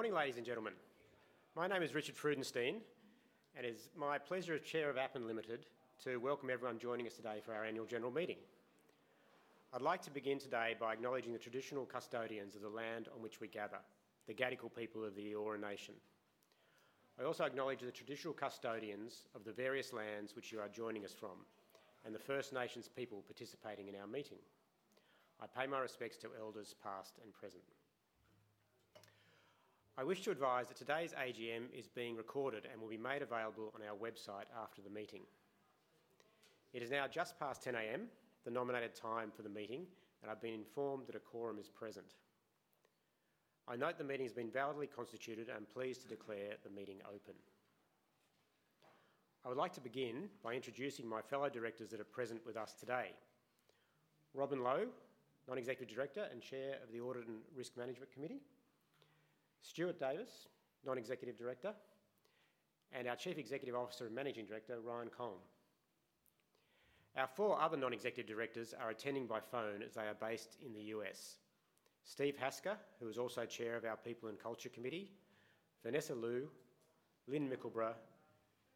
Good morning, ladies and gentlemen. My name is Richard Freudenstein, and it's my pleasure as Chair of Appen Limited to welcome everyone joining us today for our Annual General Meeting. I'd like to begin today by acknowledging the traditional custodians of the land on which we gather, the Gadigal people of the Eora Nation. I also acknowledge the traditional custodians of the various lands which you are joining us from and the First Nations people participating in our meeting. I pay my respects to elders, past and present. I wish to advise that today's AGM is being recorded and will be made available on our website after the meeting. It is now just past 10 A.M., the nominated time for the meeting, and I've been informed that a quorum is present. I note the meeting has been validly constituted and pleased to declare the meeting open. I would like to begin by introducing my fellow directors that are present with us today: Robin Low, Non-Executive Director and Chair of the Audit and Risk Management Committee, Stuart Davis, Non-Executive Director, and our Chief Executive Officer and Managing Director, Ryan Kolln. Our four other non-executive directors are attending by phone as they are based in the US: Steve Hasker, who is also Chair of our People and Culture Committee, Vanessa Liu, Lynn Mickleburgh,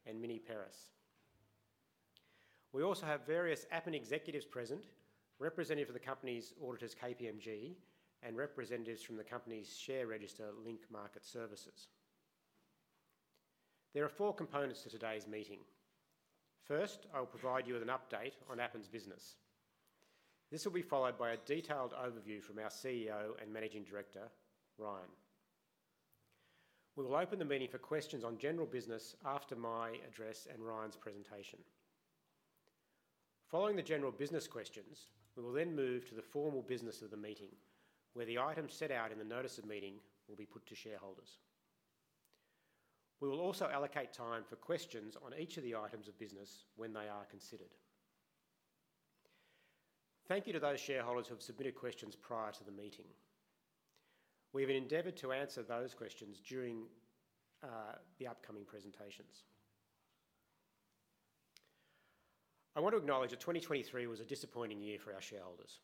and Mini Peiris. We also have various Appen executives present, representative of the company's auditors, KPMG, and representatives from the company's share register, Link Market Services. There are four components to today's meeting. First, I will provide you with an update on Appen's business. This will be followed by a detailed overview from our CEO and Managing Director, Ryan. We will open the meeting for questions on general business after my address and Ryan's presentation. Following the general business questions, we will then move to the formal business of the meeting, where the items set out in the notice of meeting will be put to shareholders. We will also allocate time for questions on each of the items of business when they are considered. Thank you to those shareholders who have submitted questions prior to the meeting. We have endeavored to answer those questions during the upcoming presentations. I want to acknowledge that 2023 was a disappointing year for our shareholders.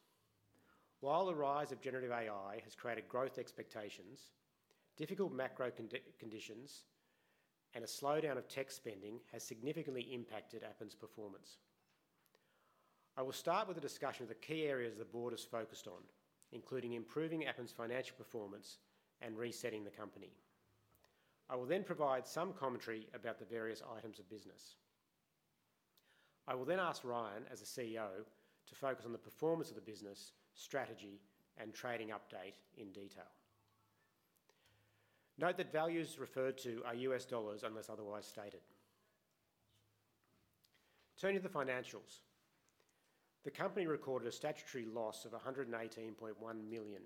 While the rise of generative AI has created growth expectations, difficult macro conditions and a slowdown of tech spending has significantly impacted Appen's performance. I will start with a discussion of the key areas the board is focused on, including improving Appen's financial performance and resetting the company. I will then provide some commentary about the various items of business. I will then ask Ryan, as the CEO, to focus on the performance of the business, strategy, and trading update in detail. Note that values referred to are US dollars, unless otherwise stated. Turning to the financials. The company recorded a statutory loss of $118.1 million,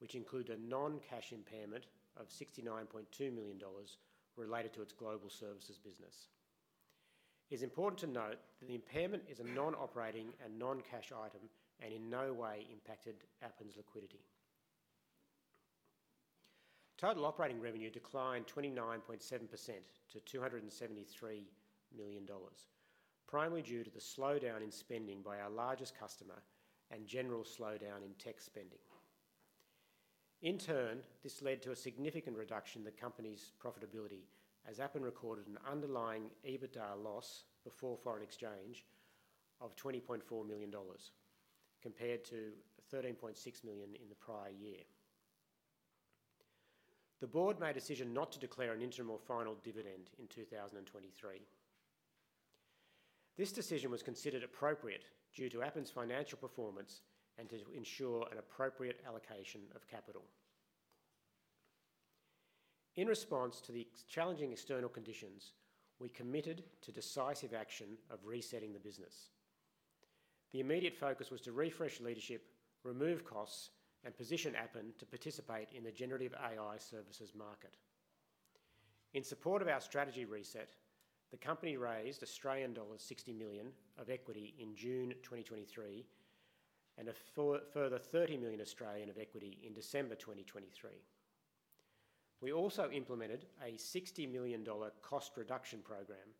which included a non-cash impairment of $69.2 million related to its global services business. It's important to note that the impairment is a non-operating and non-cash item and in no way impacted Appen's liquidity. Total operating revenue declined 29.7% to $273 million, primarily due to the slowdown in spending by our largest customer and general slowdown in tech spending. In turn, this led to a significant reduction in the company's profitability, as Appen recorded an Underlying EBITDA loss before foreign exchange of $20.4 million, compared to $13.6 million in the prior year. The board made a decision not to declare an interim or final dividend in 2023. This decision was considered appropriate due to Appen's financial performance and to ensure an appropriate allocation of capital. In response to the challenging external conditions, we committed to decisive action of resetting the business. The immediate focus was to refresh leadership, remove costs, and position Appen to participate in the generative AI services market. In support of our strategy reset, the company raised Australian dollars 60 million of equity in June 2023, and further 30 million of equity in December 2023. We also implemented a $60 million cost reduction program,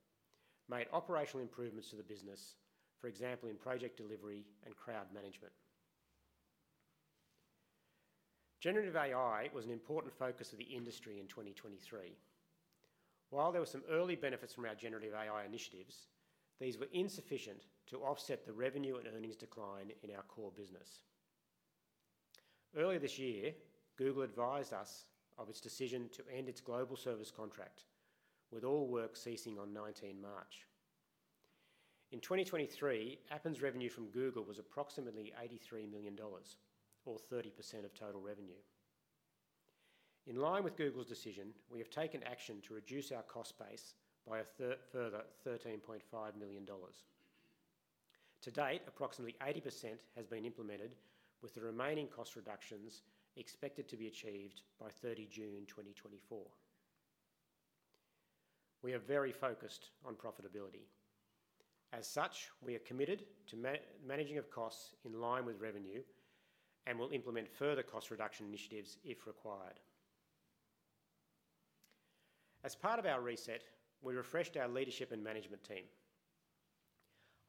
made operational improvements to the business, for example, in project delivery and crowd management. Generative AI was an important focus of the industry in 2023. While there were some early benefits from our generative AI initiatives, these were insufficient to offset the revenue and earnings decline in our core business. Earlier this year, Google advised us of its decision to end its global service contract, with all work ceasing on 19 March. In 2023, Appen's revenue from Google was approximately $83 million, or 30% of total revenue. In line with Google's decision, we have taken action to reduce our cost base by further $13.5 million. To date, approximately 80% has been implemented, with the remaining cost reductions expected to be achieved by 30 June 2024. We are very focused on profitability. As such, we are committed to managing costs in line with revenue and will implement further cost reduction initiatives if required. As part of our reset, we refreshed our leadership and management team.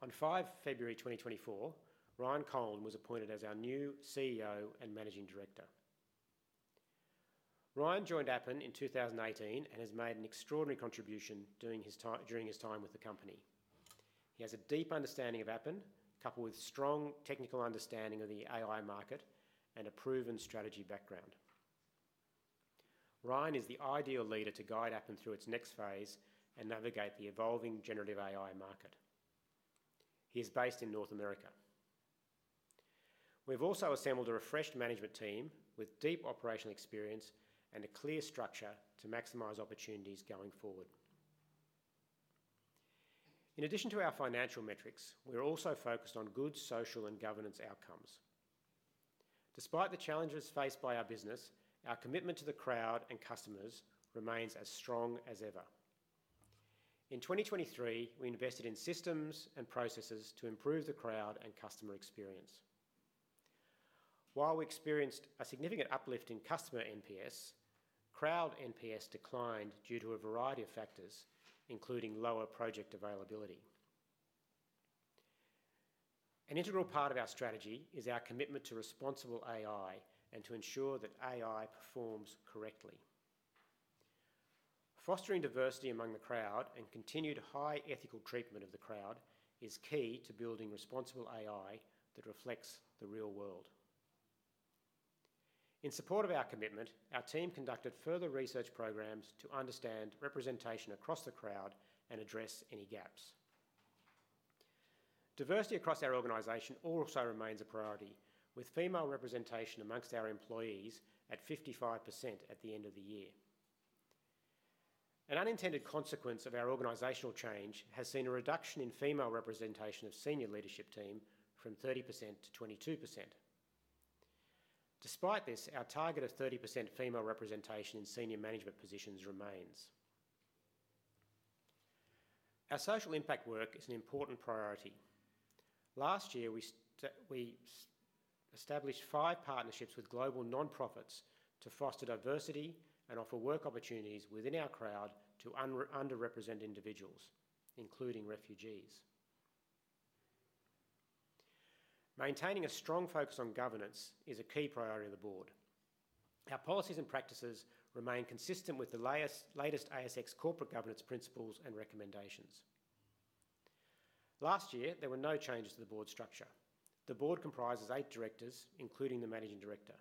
On 5 February 2024, Ryan Kolln was appointed as our new CEO and Managing Director. Ryan joined Appen in 2018 and has made an extraordinary contribution during his time with the company. He has a deep understanding of Appen, coupled with strong technical understanding of the AI market and a proven strategy background. Ryan is the ideal leader to guide Appen through its next phase and navigate the evolving generative AI market. He is based in North America. We've also assembled a refreshed management team with deep operational experience and a clear structure to maximize opportunities going forward. In addition to our financial metrics, we're also focused on good social and governance outcomes. Despite the challenges faced by our business, our commitment to the crowd and customers remains as strong as ever. In 2023, we invested in systems and processes to improve the crowd and customer experience. While we experienced a significant uplift in customer NPS, crowd NPS declined due to a variety of factors, including lower project availability. An integral part of our strategy is our commitment to responsible AI and to ensure that AI performs correctly. Fostering diversity among the crowd and continued high ethical treatment of the crowd is key to building responsible AI that reflects the real world. In support of our commitment, our team conducted further research programs to understand representation across the crowd and address any gaps. Diversity across our organization also remains a priority, with female representation among our employees at 55% at the end of the year. An unintended consequence of our organizational change has seen a reduction in female representation of senior leadership team from 30%-22%. Despite this, our target of 30% female representation in senior management positions remains. Our social impact work is an important priority. Last year, we established five partnerships with global nonprofits to foster diversity and offer work opportunities within our crowd to underrepresented individuals, including refugees. Maintaining a strong focus on governance is a key priority of the board. Our policies and practices remain consistent with the latest ASX corporate governance principles and recommendations. Last year, there were no changes to the board structure. The board comprises eight directors, including the managing director.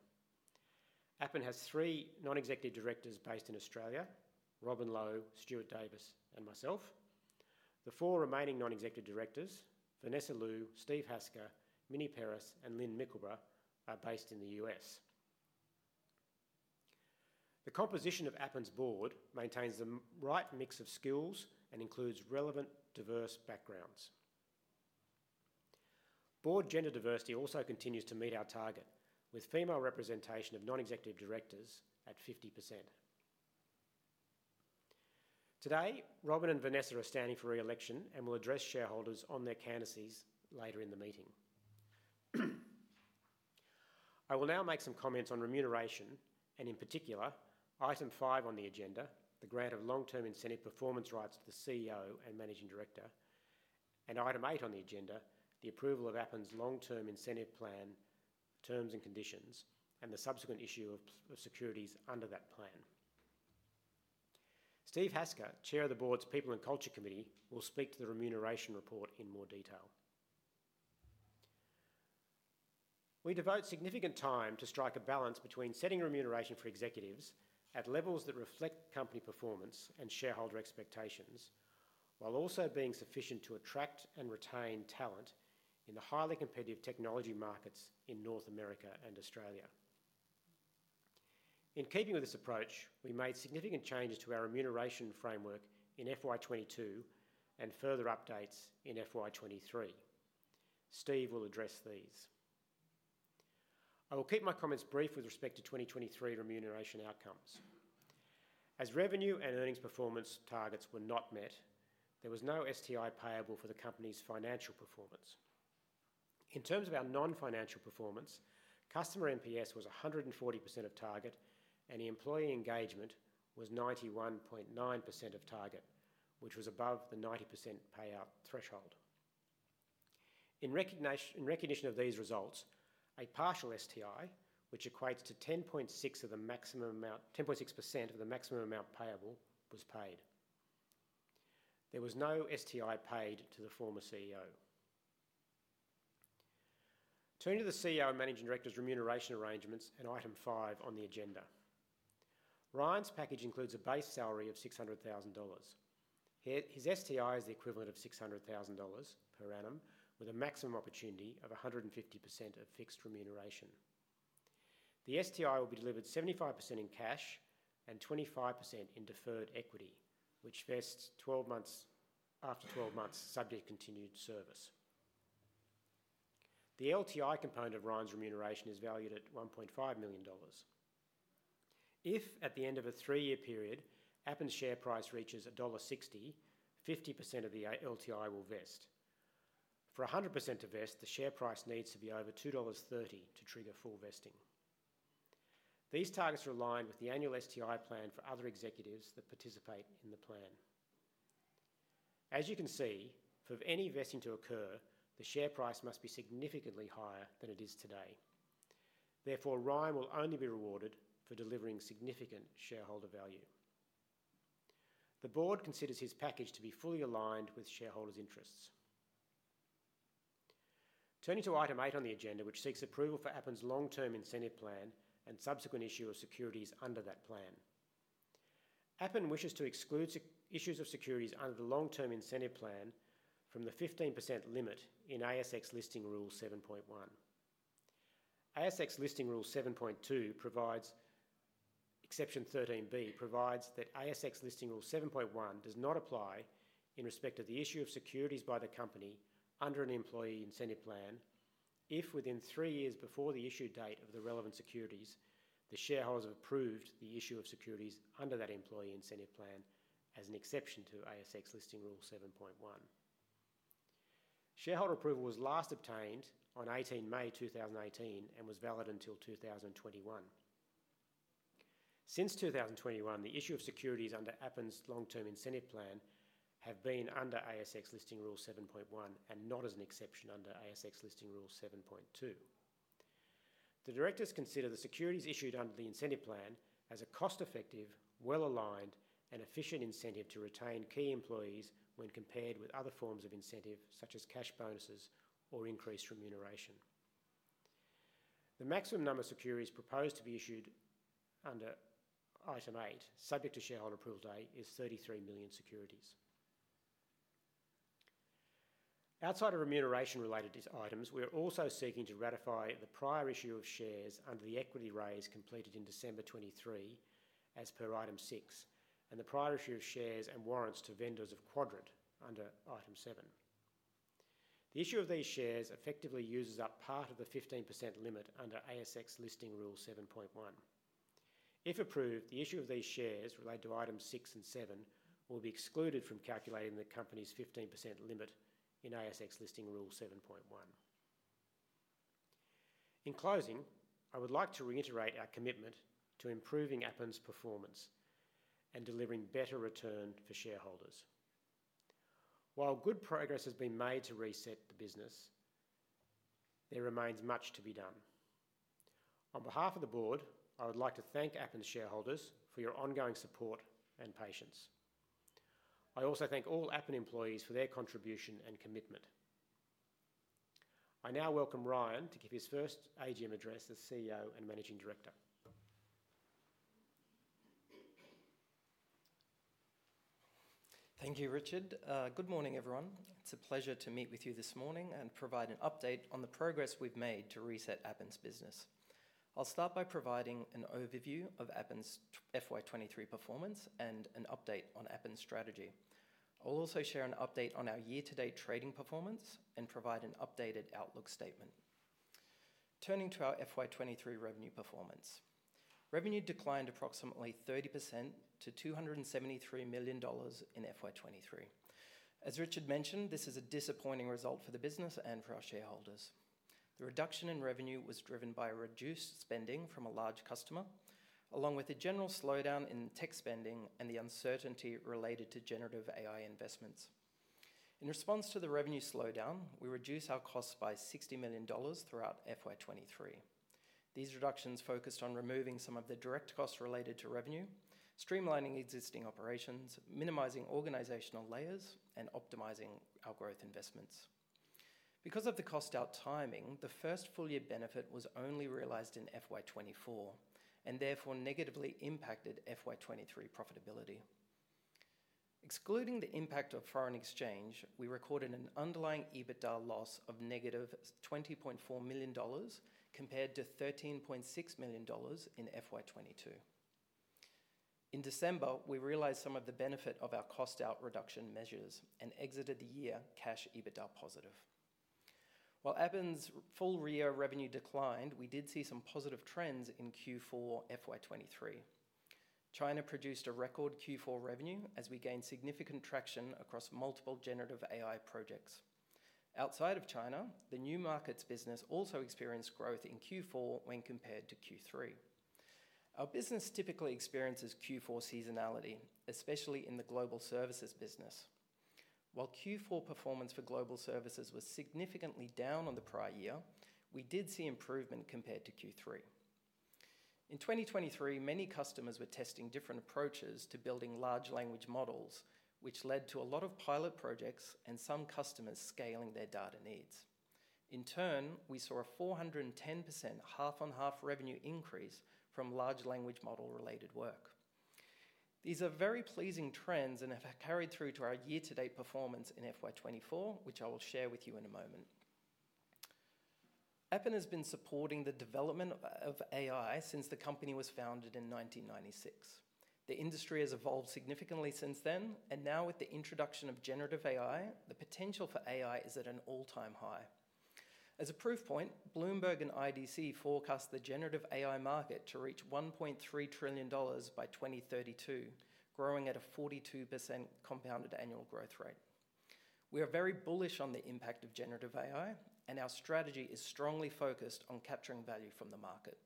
Appen has three non-executive directors based in Australia: Robin Low, Stuart Davis, and myself. The four remaining non-executive directors, Vanessa Liu, Steve Hasker, Mini Peiris, and Lynn Mickleburgh, are based in the US. The composition of Appen's board maintains the right mix of skills and includes relevant, diverse backgrounds. Board gender diversity also continues to meet our target, with female representation of non-executive directors at 50%. Today, Robin and Vanessa are standing for re-election and will address shareholders on their candidacies later in the meeting. I will now make some comments on remuneration, and in particular, item five on the agenda, the grant of long-term incentive performance rights to the CEO and managing director, and item eight on the agenda, the approval of Appen's long-term incentive plan terms and conditions, and the subsequent issue of securities under that plan. Steve Hasker, Chair of the Board's People and Culture Committee, will speak to the remuneration report in more detail. We devote significant time to strike a balance between setting remuneration for executives at levels that reflect company performance and shareholder expectations, while also being sufficient to attract and retain talent in the highly competitive technology markets in North America and Australia. In keeping with this approach, we made significant changes to our remuneration framework in FY 2022 and further updates in FY 2023. Steve will address these. I will keep my comments brief with respect to 2023 remuneration outcomes. As revenue and earnings performance targets were not met, there was no STI payable for the company's financial performance. In terms of our non-financial performance, customer NPS was 140% of target, and the employee engagement was 91.9% of target, which was above the 90% payout threshold. In recognition of these results, a partial STI, which equates to 10.6% of the maximum amount payable, was paid. There was no STI paid to the former CEO. Turning to the CEO and managing director's remuneration arrangements and item five on the agenda. Ryan's package includes a base salary of $600,000. His STI is the equivalent of $600,000 per annum, with a maximum opportunity of 150% of fixed remuneration. The STI will be delivered 75% in cash and 25% in deferred equity, which vests twelve months... after 12 months, subject to continued service. The LTI component of Ryan's remuneration is valued at $1.5 million. If at the end of a 3-year period, Appen's share price reaches $1.60, 50% of the LTI will vest. For 100% to vest, the share price needs to be over $2.30 to trigger full vesting.... These targets are aligned with the annual STI plan for other executives that participate in the plan. As you can see, for any vesting to occur, the share price must be significantly higher than it is today. Therefore, Ryan will only be rewarded for delivering significant shareholder value. The board considers his package to be fully aligned with shareholders' interests. Turning to Item 8 on the agenda, which seeks approval for Appen's long-term incentive plan and subsequent issue of securities under that plan. Appen wishes to exclude issues of securities under the long-term incentive plan from the 15% limit in ASX Listing Rule 7.1. ASX Listing Rule 7.2 provides, Exception 13B, provides that ASX Listing Rule 7.1 does not apply in respect of the issue of securities by the company under an employee incentive plan if, within three years before the issue date of the relevant securities, the shareholders have approved the issue of securities under that employee incentive plan as an exception to ASX Listing Rule 7.1. Shareholder approval was last obtained on 18 May 2018 and was valid until 2021. Since 2021, the issue of securities under Appen's long-term incentive plan have been under ASX Listing Rule 7.1, and not as an exception under ASX Listing Rule 7.2. The directors consider the securities issued under the incentive plan as a cost-effective, well-aligned, and efficient incentive to retain key employees when compared with other forms of incentive, such as cash bonuses or increased remuneration. The maximum number of securities proposed to be issued under Item eight, subject to shareholder approval date, is 33 million securities. Outside of remuneration-related items, we are also seeking to ratify the prior issue of shares under the equity raise completed in December 2023, as per Item six, and the prior issue of shares and warrants to vendors of Quadrant under Item seven. The issue of these shares effectively uses up part of the 15% limit under ASX Listing Rule 7.1. If approved, the issue of these shares related to Items six and seven will be excluded from calculating the company's 15% limit in ASX Listing Rule 7.1. In closing, I would like to reiterate our commitment to improving Appen's performance and delivering better return for shareholders. While good progress has been made to reset the business, there remains much to be done. On behalf of the board, I would like to thank Appen's shareholders for your ongoing support and patience. I also thank all Appen employees for their contribution and commitment. I now welcome Ryan to give his first AGM address as CEO and Managing Director. Thank you, Richard. Good morning, everyone. It's a pleasure to meet with you this morning and provide an update on the progress we've made to reset Appen's business. I'll start by providing an overview of Appen's FY 2023 performance and an update on Appen's strategy. I'll also share an update on our year-to-date trading performance and provide an updated outlook statement. Turning to our FY 2023 revenue performance. Revenue declined approximately 30% to $273 million in FY 2023. As Richard mentioned, this is a disappointing result for the business and for our shareholders. The reduction in revenue was driven by a reduced spending from a large customer, along with a general slowdown in tech spending and the uncertainty related to generative AI investments. In response to the revenue slowdown, we reduced our costs by $60 million throughout FY 2023. These reductions focused on removing some of the direct costs related to revenue, streamlining existing operations, minimizing organizational layers, and optimizing our growth investments. Because of the cost-out timing, the first full-year benefit was only realized in FY 2024, and therefore negatively impacted FY 2023 profitability. Excluding the impact of foreign exchange, we recorded an Underlying EBITDA loss of -$20.4 million, compared to $13.6 million in FY 2022. In December, we realized some of the benefit of our cost-out reduction measures and exited the year Cash EBITDA positive. While Appen's full year revenue declined, we did see some positive trends in Q4 FY 2023. China produced a record Q4 revenue as we gained significant traction across multiple Generative AI projects. Outside of China, the new markets business also experienced growth in Q4 when compared to Q3. Our business typically experiences Q4 seasonality, especially in the global services business. While Q4 performance for global services was significantly down on the prior year, we did see improvement compared to Q3. In 2023, many customers were testing different approaches to building large language models, which led to a lot of pilot projects and some customers scaling their data needs. In turn, we saw a 410% half-on-half revenue increase from large language model-related work. These are very pleasing trends and have carried through to our year-to-date performance in FY 2024, which I will share with you in a moment. Appen has been supporting the development of AI since the company was founded in 1996. The industry has evolved significantly since then, and now with the introduction of generative AI, the potential for AI is at an all-time high. As a proof point, Bloomberg and IDC forecast the generative AI market to reach $1.3 trillion by 2032, growing at a 42% compounded annual growth rate. We are very bullish on the impact of generative AI, and our strategy is strongly focused on capturing value from the market.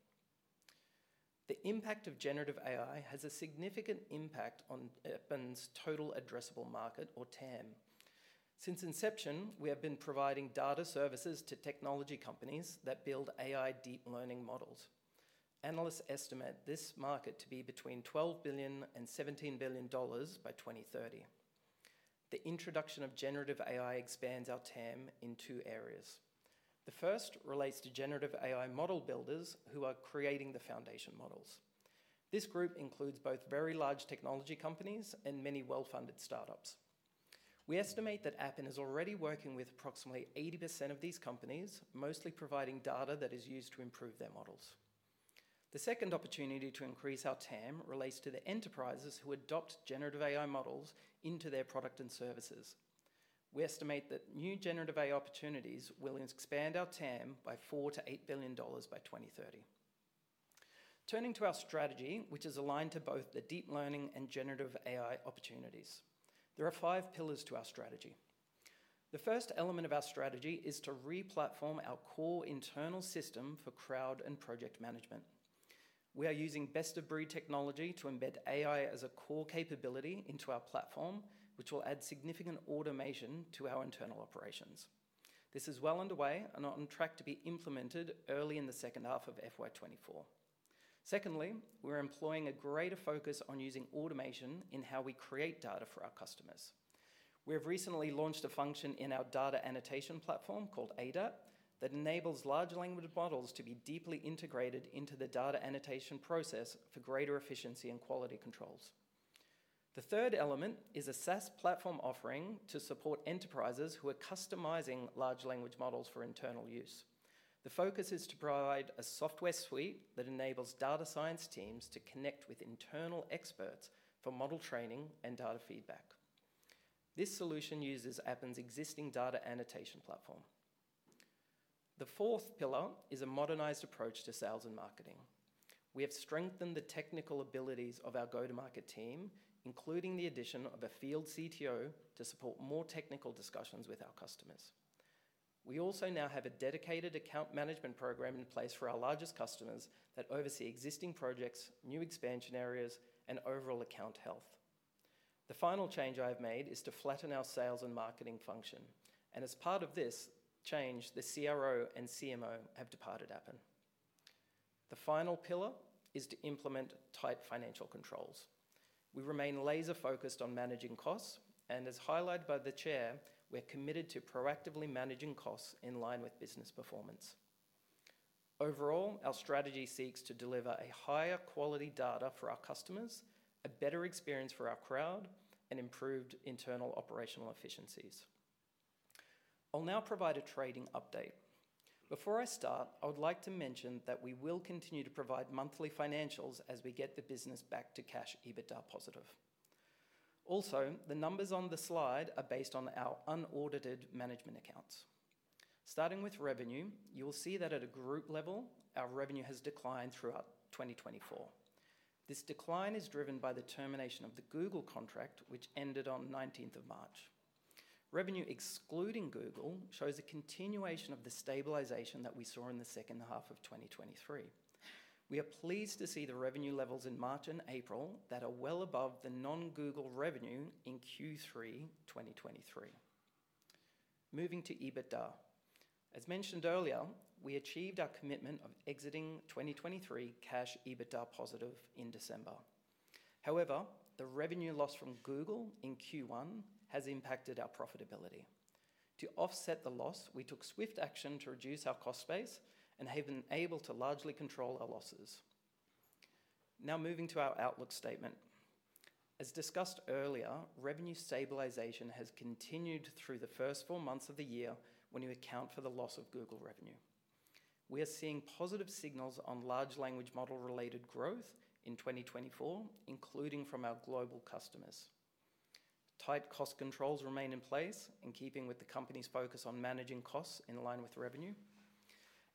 The impact of generative AI has a significant impact on Appen's total addressable market, or TAM. Since inception, we have been providing data services to technology companies that build AI deep learning models. Analysts estimate this market to be between $12 billion and $17 billion by 2030. The introduction of generative AI expands our TAM in two areas. The first relates to generative AI model builders who are creating the foundation models. This group includes both very large technology companies and many well-funded startups. We estimate that Appen is already working with approximately 80% of these companies, mostly providing data that is used to improve their models. The second opportunity to increase our TAM relates to the enterprises who adopt generative AI models into their product and services. We estimate that new generative AI opportunities will expand our TAM by $4 billion-$8 billion by 2030. Turning to our strategy, which is aligned to both the deep learning and generative AI opportunities, there are five pillars to our strategy. The first element of our strategy is to re-platform our core internal system for crowd and project management. We are using best-of-breed technology to embed AI as a core capability into our platform, which will add significant automation to our internal operations. This is well underway and on track to be implemented early in the second half of FY 2024. Secondly, we're employing a greater focus on using automation in how we create data for our customers. We have recently launched a function in our data annotation platform, called ADAP, that enables large language models to be deeply integrated into the data annotation process for greater efficiency and quality controls. The third element is a SaaS platform offering to support enterprises who are customizing large language models for internal use. The focus is to provide a software suite that enables data science teams to connect with internal experts for model training and data feedback. This solution uses Appen's existing data annotation platform. The fourth pillar is a modernized approach to sales and marketing. We have strengthened the technical abilities of our go-to-market team, including the addition of a field CTO to support more technical discussions with our customers. We also now have a dedicated account management program in place for our largest customers that oversee existing projects, new expansion areas, and overall account health. The final change I have made is to flatten our sales and marketing function, and as part of this change, the CRO and CMO have departed Appen. The final pillar is to implement tight financial controls. We remain laser-focused on managing costs, and as highlighted by the Chair, we're committed to proactively managing costs in line with business performance. Overall, our strategy seeks to deliver a higher quality data for our customers, a better experience for our crowd, and improved internal operational efficiencies. I'll now provide a trading update. Before I start, I would like to mention that we will continue to provide monthly financials as we get the business back to Cash EBITDA positive. Also, the numbers on the slide are based on our unaudited management accounts. Starting with revenue, you will see that at a group level, our revenue has declined throughout 2024. This decline is driven by the termination of the Google contract, which ended on 19th of March. Revenue, excluding Google, shows a continuation of the stabilization that we saw in the second half of 2023. We are pleased to see the revenue levels in March and April that are well above the non-Google revenue in Q3 2023. Moving to EBITDA. As mentioned earlier, we achieved our commitment of exiting 2023 Cash EBITDA positive in December. However, the revenue loss from Google in Q1 has impacted our profitability. To offset the loss, we took swift action to reduce our cost base and have been able to largely control our losses. Now moving to our outlook statement. As discussed earlier, revenue stabilization has continued through the first four months of the year when you account for the loss of Google revenue. We are seeing positive signals on large language model-related growth in 2024, including from our global customers. Tight cost controls remain in place, in keeping with the company's focus on managing costs in line with revenue.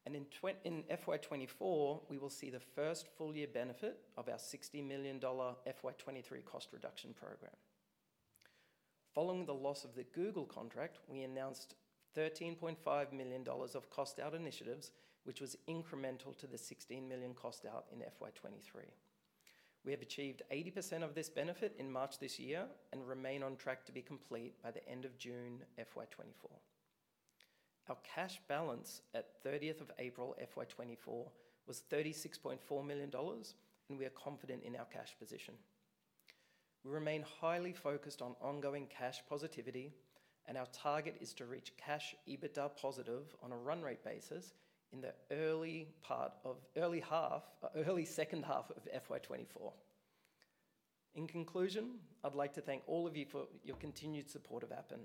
And in FY 2024, we will see the first full year benefit of our $60 million FY 2023 cost reduction program. Following the loss of the Google contract, we announced $13.5 million of cost out initiatives, which was incremental to the $16 million cost out in FY 2023. We have achieved 80% of this benefit in March this year and remain on track to be complete by the end of June, FY 2024. Our cash balance at thirtieth of April, FY 2024, was $36.4 million, and we are confident in our cash position. We remain highly focused on ongoing cash positivity, and our target is to reach Cash EBITDA positive on a run rate basis in the early second half of FY 2024. In conclusion, I'd like to thank all of you for your continued support of Appen.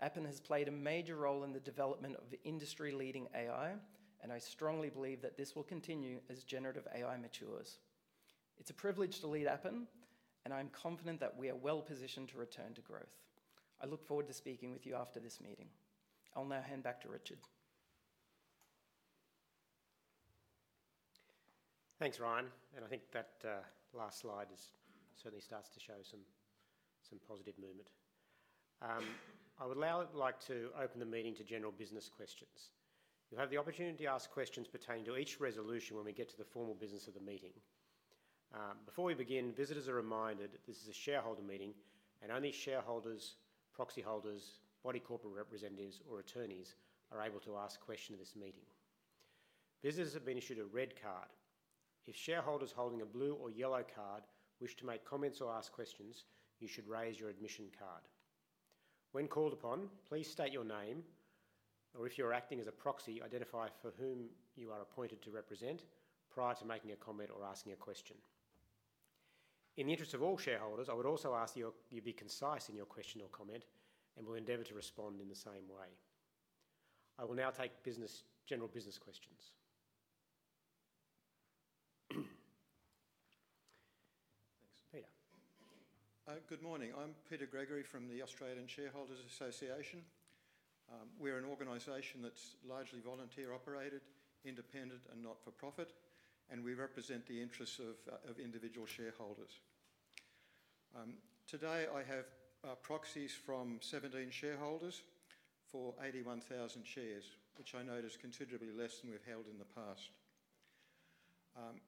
Appen has played a major role in the development of industry-leading AI, and I strongly believe that this will continue as generative AI matures. It's a privilege to lead Appen, and I'm confident that we are well positioned to return to growth. I look forward to speaking with you after this meeting. I'll now hand back to Richard.... Thanks, Ryan, and I think that last slide certainly starts to show some positive movement. I would now like to open the meeting to general business questions. You'll have the opportunity to ask questions pertaining to each resolution when we get to the formal business of the meeting. Before we begin, visitors are reminded this is a shareholder meeting, and only shareholders, proxy holders, body corporate representatives, or attorneys are able to ask questions in this meeting. Visitors have been issued a red card. If shareholders holding a blue or yellow card wish to make comments or ask questions, you should raise your admission card. When called upon, please state your name, or if you're acting as a proxy, identify for whom you are appointed to represent prior to making a comment or asking a question. In the interest of all shareholders, I would also ask you, you be concise in your question or comment, and we'll endeavor to respond in the same way. I will now take business, general business questions. Thanks. Peter? Good morning. I'm Peter Gregory from the Australian Shareholders' Association. We're an organization that's largely volunteer-operated, independent, and not-for-profit, and we represent the interests of individual shareholders. Today I have proxies from 17 shareholders for 81,000 shares, which I note is considerably less than we've held in the past.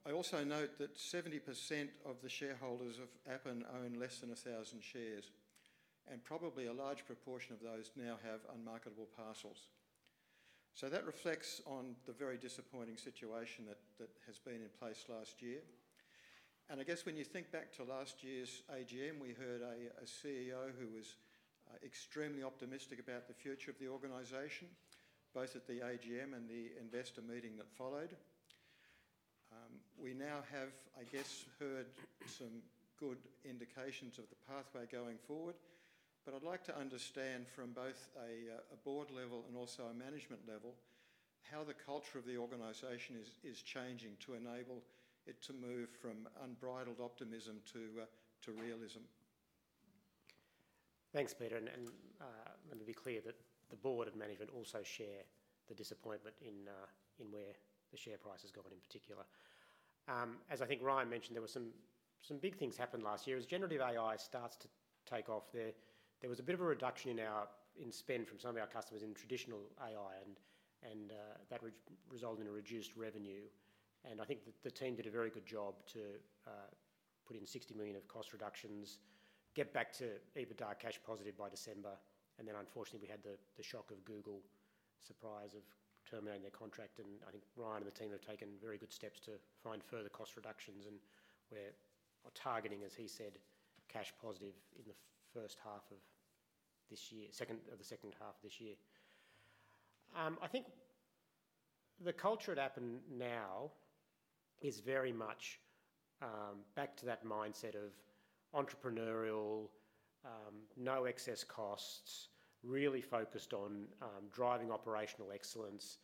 I also note that 70% of the shareholders of Appen own less than 1,000 shares, and probably a large proportion of those now have unmarketable parcels. So that reflects on the very disappointing situation that has been in place last year. And I guess when you think back to last year's AGM, we heard a CEO who was extremely optimistic about the future of the organization, both at the AGM and the investor meeting that followed. We now have, I guess, heard some good indications of the pathway going forward, but I'd like to understand from both a, a board level and also a management level, how the culture of the organization is changing to enable it to move from unbridled optimism to, to realism. Thanks, Peter, let me be clear that the board and management also share the disappointment in where the share price has gone in particular. As I think Ryan mentioned, there were some big things happened last year. As generative AI starts to take off, there was a bit of a reduction in our spend from some of our customers in traditional AI, and that resulted in a reduced revenue. And I think the team did a very good job to put in $60 million of cost reductions, get back to EBITDA cash positive by December, and then unfortunately, we had the shock of Google surprise of terminating their contract. I think Ryan and the team have taken very good steps to find further cost reductions, and we're targeting, as he said, cash positive in the second half of this year. I think the culture at Appen now is very much back to that mindset of entrepreneurial, no excess costs, really focused on driving operational excellence,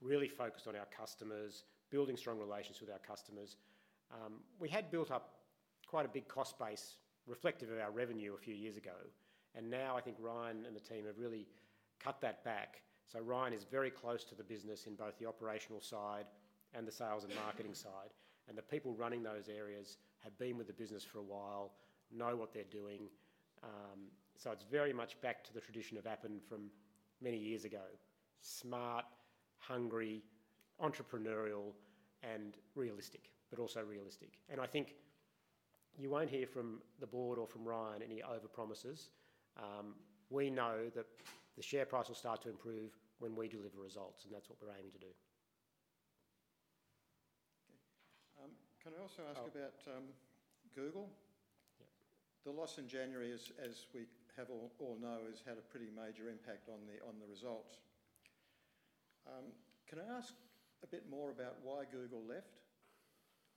really focused on our customers, building strong relations with our customers. We had built up quite a big cost base reflective of our revenue a few years ago, and now I think Ryan and the team have really cut that back. So Ryan is very close to the business in both the operational side and the sales and marketing side, and the people running those areas have been with the business for a while, know what they're doing. So it's very much back to the tradition of Appen from many years ago: smart, hungry, entrepreneurial, and realistic, but also realistic. I think you won't hear from the board or from Ryan any overpromises. We know that the share price will start to improve when we deliver results, and that's what we're aiming to do. Okay. Can I also ask- Oh.... about, Google? Yeah. The loss in January, as we have all know, has had a pretty major impact on the results. Can I ask a bit more about why Google left?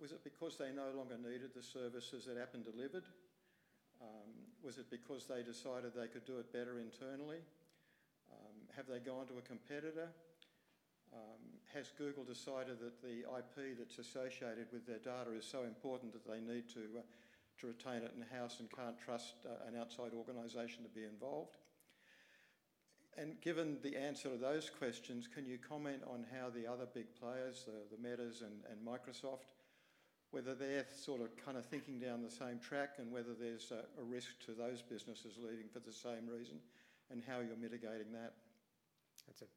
Was it because they no longer needed the services that Appen delivered? Was it because they decided they could do it better internally? Have they gone to a competitor? Has Google decided that the IP that's associated with their data is so important that they need to retain it in-house and can't trust an outside organization to be involved? And given the answer to those questions, can you comment on how the other big players, the Meta and Microsoft, whether they're sort of, kind of thinking down the same track, and whether there's a risk to those businesses leaving for the same reason, and how you're mitigating that? That's a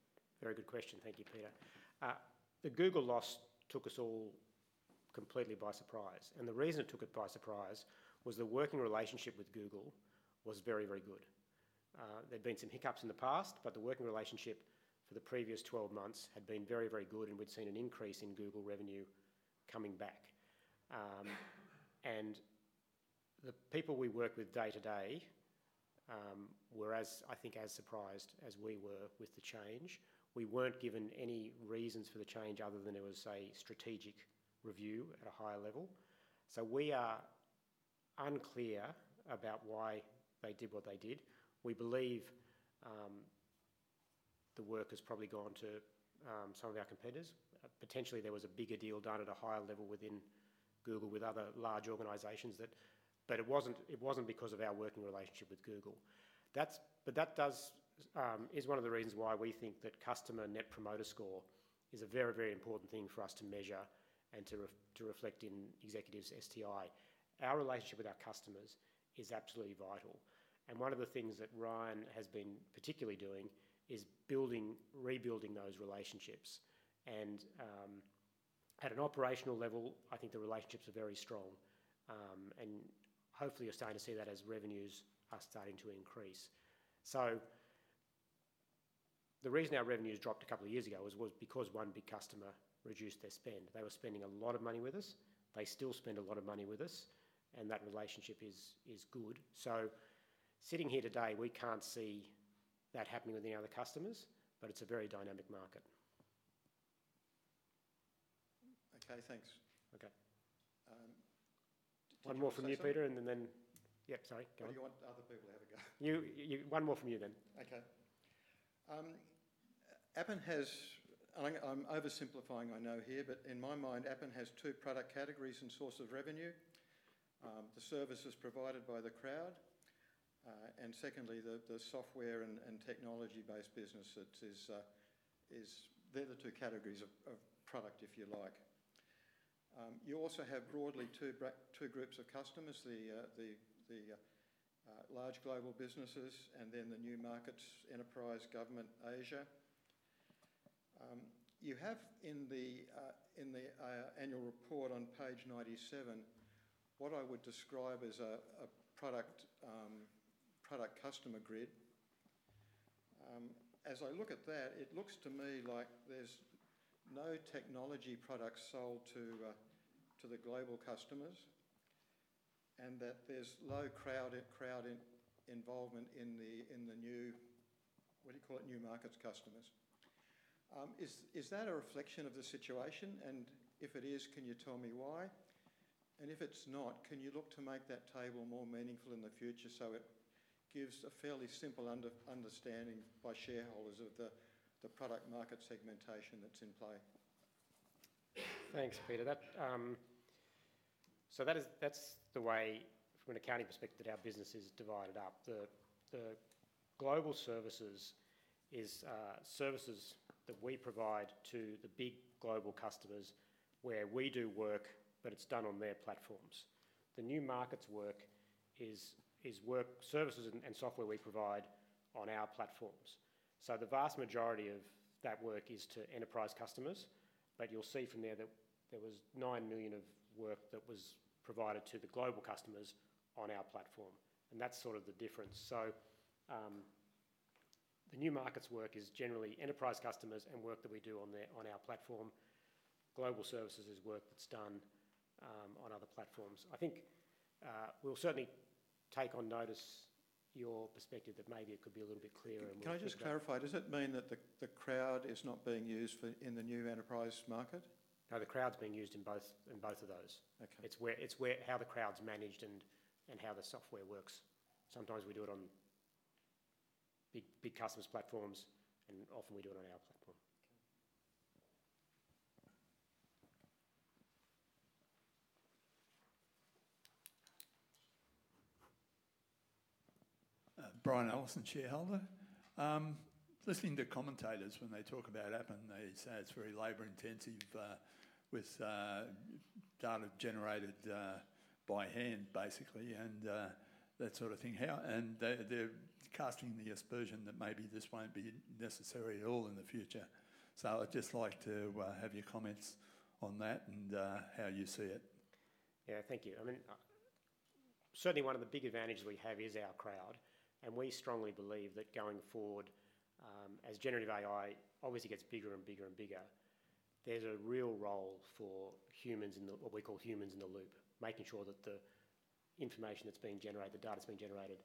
very good question. Thank you, Peter. The Google loss took us all completely by surprise, and the reason it took us by surprise was the working relationship with Google was very, very good. There'd been some hiccups in the past, but the working relationship for the previous 12 months had been very, very good, and we'd seen an increase in Google revenue coming back. And the people we work with day-to-day were as, I think, as surprised as we were with the change. We weren't given any reasons for the change other than it was a strategic review at a higher level. So we are unclear about why they did what they did. We believe the work has probably gone to some of our competitors. Potentially, there was a bigger deal done at a higher level within-... Google with other large organizations, but it wasn't because of our working relationship with Google. That's but that does is one of the reasons why we think that customer Net Promoter Score is a very, very important thing for us to measure and to reflect in executives' STI. Our relationship with our customers is absolutely vital, and one of the things that Ryan has been particularly doing is building, rebuilding those relationships. And at an operational level, I think the relationships are very strong, and hopefully you're starting to see that as revenues are starting to increase. So, the reason our revenues dropped a couple of years ago was because one big customer reduced their spend. They were spending a lot of money with us. They still spend a lot of money with us, and that relationship is good. Sitting here today, we can't see that happening with any other customers, but it's a very dynamic market. Okay, thanks. Okay. Did you want to say something? One more from you, Peter, and then... Yeah, sorry. Go on. Or do you want other people to have a go? One more from you then. Okay. Appen has... I'm oversimplifying, I know here, but in my mind, Appen has two product categories and sources of revenue: the services provided by the crowd, and secondly, the software and technology-based business that is, is. They're the two categories of product, if you like. You also have broadly two groups of customers: the large global businesses and then the new markets, enterprise, government, Asia. You have in the annual report on page 97, what I would describe as a product-customer grid. As I look at that, it looks to me like there's no technology products sold to the global customers, and that there's low crowd involvement in the new, what do you call it? New markets customers. Is that a reflection of the situation? And if it is, can you tell me why? And if it's not, can you look to make that table more meaningful in the future, so it gives a fairly simple understanding by shareholders of the product market segmentation that's in play? Thanks, Peter. That... So that is-- That's the way, from an accounting perspective, our business is divided up. The, the global services is, services that we provide to the big global customers, where we do work, but it's done on their platforms. The new markets work is, work services and software we provide on our platforms. So the vast majority of that work is to enterprise customers, but you'll see from there that there was $9 million of work that was provided to the global customers on our platform, and that's sort of the difference. So, the new markets work is generally enterprise customers and work that we do on their, on our platform. Global services is work that's done, on other platforms. I think, we'll certainly take on notice your perspective that maybe it could be a little bit clearer and more- Can I just clarify? Does it mean that the crowd is not being used for in the new enterprise market? No, the crowd's being used in both, in both of those. Okay. It's where how the crowd's managed and how the software works. Sometimes we do it on big customers' platforms, and often we do it on our platform. Okay. Brian Allison, shareholder. Listening to commentators when they talk about Appen, they say it's very labor-intensive, with data generated by hand, basically, and that sort of thing. And they, they're casting the aspersion that maybe this won't be necessary at all in the future. So I'd just like to have your comments on that and how you see it. Yeah. Thank you. I mean, certainly one of the big advantages we have is our crowd, and we strongly believe that going forward, as generative AI obviously gets bigger and bigger and bigger, there's a real role for humans in the... what we call humans in the loop, making sure that the that's being generated, the data that's being generated,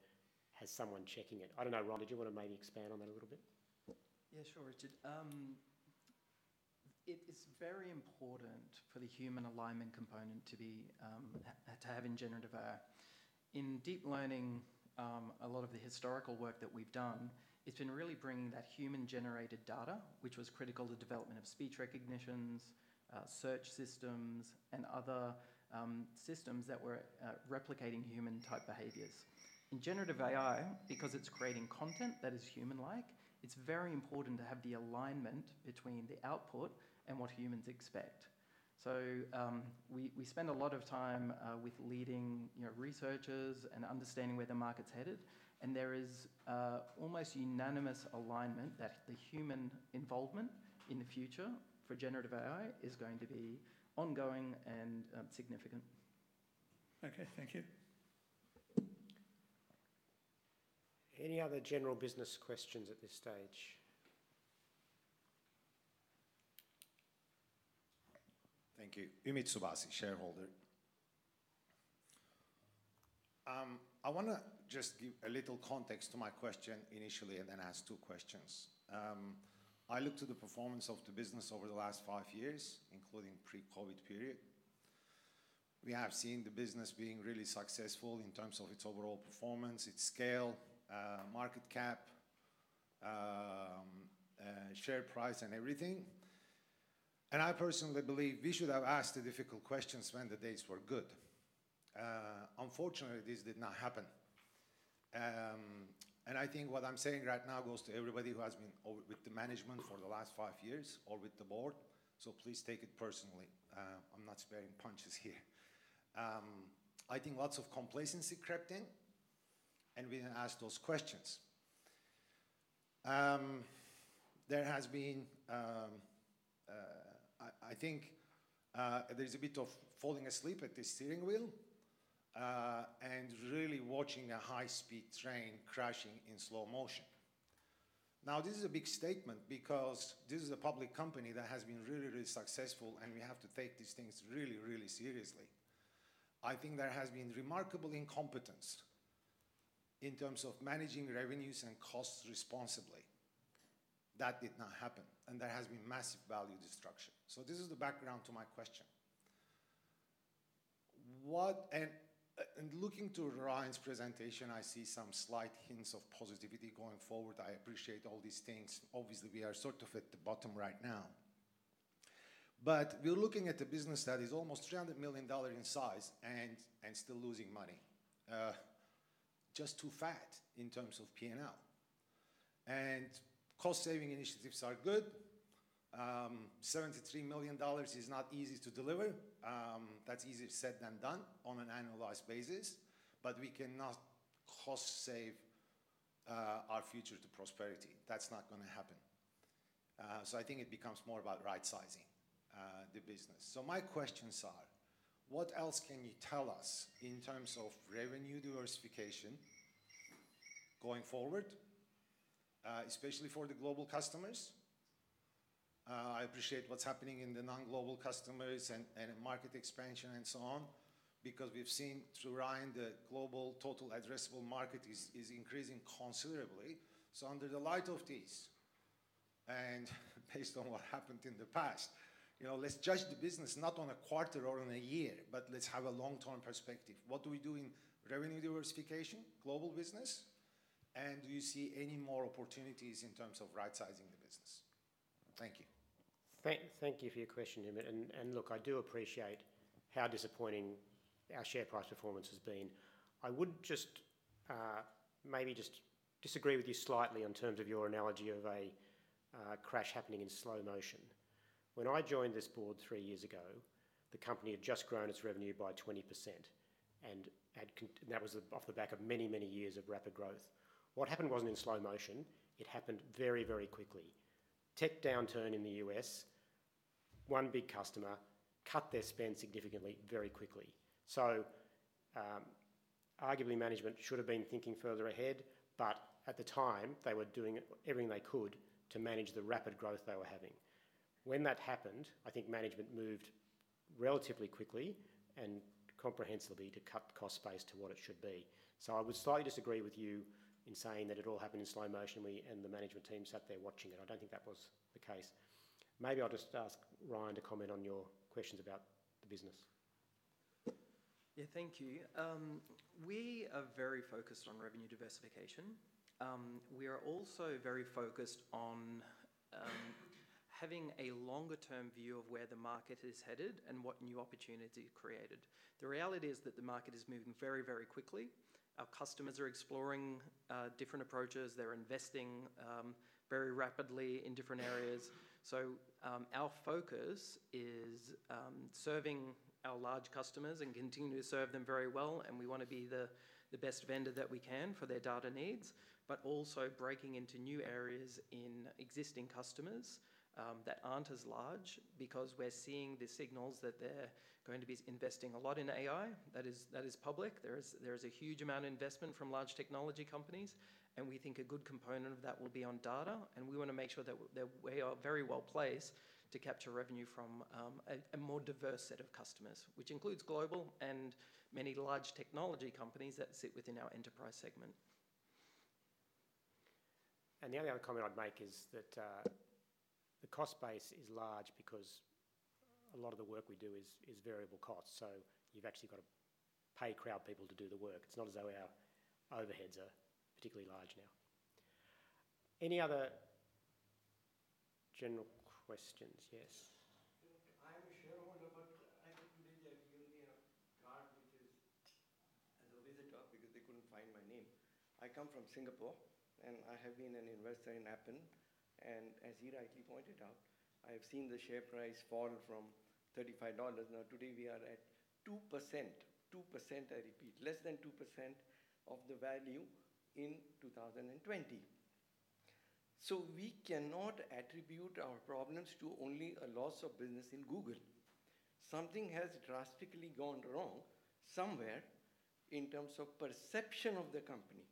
has someone checking it. I don't know, Ryan, did you want to maybe expand on that a little bit? Yeah, sure, Richard. It is very important for the human alignment component to be to have in Generative AI. In deep learning, a lot of the historical work that we've done, it's been really bringing that human-generated data, which was critical to development of speech recognitions, search systems, and other systems that were replicating human-type behaviors. In Generative AI, because it's creating content that is human-like, it's very important to have the alignment between the output and what humans expect. So, we spend a lot of time with leading, you know, researchers and understanding where the market's headed, and there is a almost unanimous alignment that the human involvement in the future for Generative AI is going to be ongoing and significant. Okay. Thank you. Any other general business questions at this stage? Thank you. Umit Subasi, shareholder. I wanna just give a little context to my question initially, and then ask two questions. I look to the performance of the business over the last five years, including pre-COVID period. We have seen the business being really successful in terms of its overall performance, its scale, market cap, share price and everything. And I personally believe we should have asked the difficult questions when the days were good. Unfortunately, this did not happen. And I think what I'm saying right now goes to everybody who has been on with the management for the last five years or with the board, so please take it personally. I'm not sparing punches here. I think lots of complacency crept in, and we didn't ask those questions. There has been, I think there's a bit of falling asleep at the steering wheel and really watching a high-speed train crashing in slow motion. Now, this is a big statement because this is a public company that has been really, really successful, and we have to take these things really, really seriously. I think there has been remarkable incompetence in terms of managing revenues and costs responsibly. That did not happen, and there has been massive value destruction. So this is the background to my question: What-- And, and looking to Ryan's presentation, I see some slight hints of positivity going forward. I appreciate all these things. Obviously, we are sort of at the bottom right now. But we're looking at a business that is almost $300 million in size and still losing money. Just too fat in terms of P&L. Cost saving initiatives are good. $73 million is not easy to deliver. That's easier said than done on an annualized basis, but we cannot cost save our future to prosperity. That's not gonna happen. So I think it becomes more about right-sizing the business. So my questions are: What else can you tell us in terms of revenue diversification going forward, especially for the global customers? I appreciate what's happening in the non-global customers and market expansion and so on, because we've seen through Ryan, the global total addressable market is increasing considerably. So under the light of this, and based on what happened in the past, you know, let's judge the business not on a quarter or on a year, but let's have a long-term perspective. What do we do in revenue diversification, global business, and do you see any more opportunities in terms of right-sizing the business? Thank you. Thank you for your question, Mehmet. And look, I do appreciate how disappointing our share price performance has been. I would just maybe just disagree with you slightly in terms of your analogy of a crash happening in slow motion. When I joined this board three years ago, the company had just grown its revenue by 20%, and that was off the back of many, many years of rapid growth. What happened wasn't in slow motion; it happened very, very quickly. Tech downturn in the U.S., one big customer cut their spend significantly, very quickly. So, arguably, management should have been thinking further ahead, but at the time, they were doing everything they could to manage the rapid growth they were having. When that happened, I think management moved relatively quickly and comprehensively to cut the cost base to what it should be. So I would slightly disagree with you in saying that it all happened in slow motion, we and the management team sat there watching it. I don't think that was the case. Maybe I'll just ask Ryan to comment on your questions about the business. Yeah. Thank you. We are very focused on revenue diversification. We are also very focused on, having a longer-term view of where the market is headed and what new opportunity created. The reality is that the market is moving very, very quickly. Our customers are exploring, different approaches. They're investing, very rapidly in different areas. So, our focus is, serving our large customers and continuing to serve them very well, and we want to be the, the best vendor that we can for their data needs, but also breaking into new areas in existing customers, that aren't as large, because we're seeing the signals that they're going to be investing a lot in AI. That is, that is public. There is a huge amount of investment from large technology companies, and we think a good component of that will be on data, and we want to make sure that we are very well placed to capture revenue from a more diverse set of customers, which includes global and many large technology companies that sit within our enterprise segment. The only other comment I'd make is that the cost base is large because a lot of the work we do is variable cost, so you've actually got to pay crowd people to do the work. It's not as though our overheads are particularly large now. Any other general questions? Yes. I am a shareholder, but I think they gave me a card, which is as a visitor because they couldn't find my name. I come from Singapore, and I have been an investor in Appen, and as he rightly pointed out, I have seen the share price fall from 35 dollars. Now, today, we are at 2%. 2%, I repeat, less than 2% of the value in 2020. So we cannot attribute our problems to only a loss of business in Google. Something has drastically gone wrong somewhere in terms of perception of the company,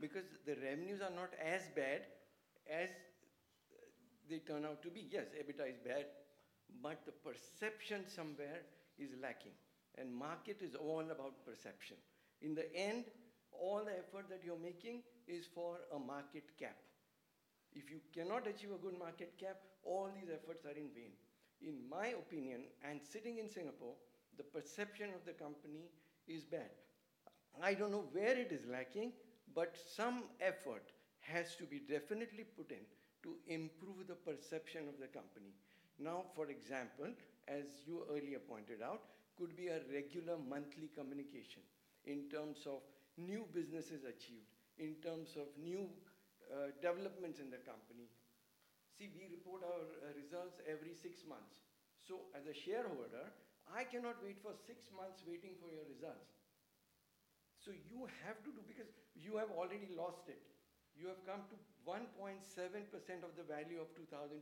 because the revenues are not as bad as they turn out to be. Yes, EBITDA is bad, but the perception somewhere is lacking, and market is all about perception. In the end, all the effort that you're making is for a market cap. If you cannot achieve a good market cap, all these efforts are in vain. In my opinion, and sitting in Singapore, the perception of the company is bad.... I don't know where it is lacking, but some effort has to be definitely put in to improve the perception of the company. Now, for example, as you earlier pointed out, could be a regular monthly communication in terms of new businesses achieved, in terms of new developments in the company. See, we report our results every six months, so as a shareholder, I cannot wait for six months waiting for your results. So you have to do, because you have already lost it. You have come to 1.7% of the value of 2020.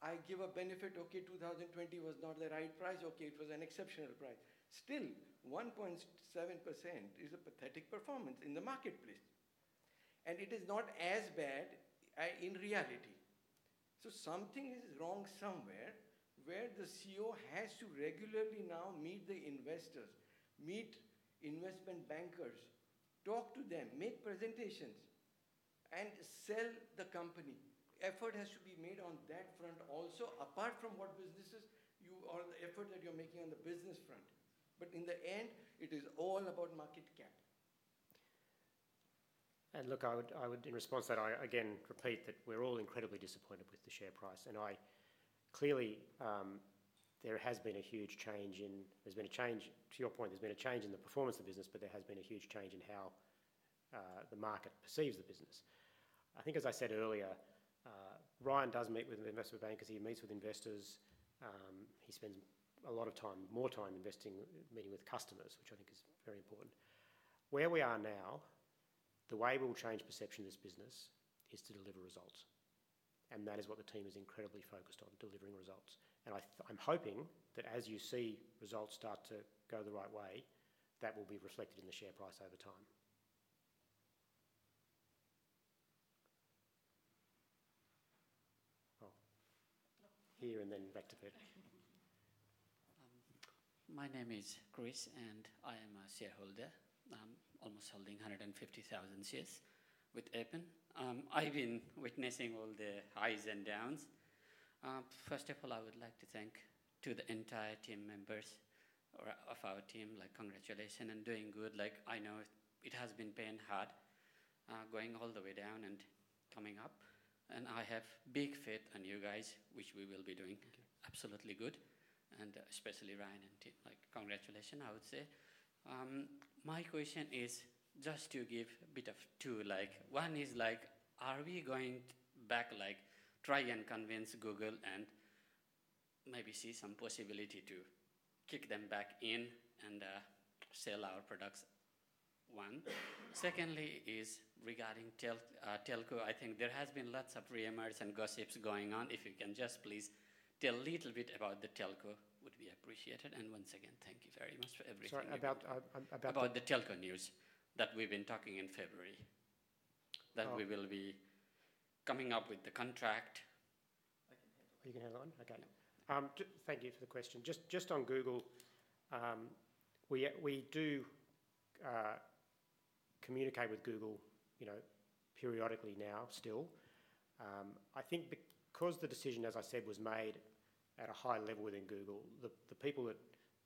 I give a benefit, okay, 2020 was not the right price. Okay, it was an exceptional price. Still, 1.7% is a pathetic performance in the marketplace, and it is not as bad in reality. Something is wrong somewhere, where the CEO has to regularly now meet the investors, meet investment bankers, talk to them, make presentations, and sell the company. Effort has to be made on that front also, apart from what businesses or the effort that you're making on the business front. In the end, it is all about market cap. Look, I would, I would, in response to that, I again repeat that we're all incredibly disappointed with the share price. I clearly there has been a huge change in... There's been a change. To your point, there's been a change in the performance of the business, but there has been a huge change in how the market perceives the business. I think, as I said earlier, Ryan does meet with investment bankers, he meets with investors, he spends a lot of time, more time investing, meeting with customers, which I think is very important. Where we are now, the way we'll change perception of this business is to deliver results, and that is what the team is incredibly focused on, delivering results. And I'm hoping that as you see results start to go the right way, that will be reflected in the share price over time. Oh, here and then back to there. My name is Chris, and I am a shareholder. I'm almost holding 150,000 shares with Appen. I've been witnessing all the highs and downs. First of all, I would like to thank to the entire team members or of our team, like, congratulations and doing good. Like, I know it has been being hard, going all the way down and coming up, and I have big faith on you guys, which we will be doing absolutely good, and especially Ryan and team, like, congratulations, I would say. My question is just to give a bit of two, like, one is, like, are we going back, like, try and convince Google and maybe see some possibility to kick them back in and, sell our products? One. Secondly is regarding telco. I think there has been lots of rumors and gossips going on. If you can just please tell a little bit about the telco, would be appreciated. Once again, thank you very much for everything- Sorry, about... About the telco news that we've been talking in February, that we will be coming up with the contract. Oh, you can handle on? Okay. Thank you for the question. Just, just on Google, we, we do communicate with Google, you know, periodically now, still. I think because the decision, as I said, was made at a high level within Google, the, the people that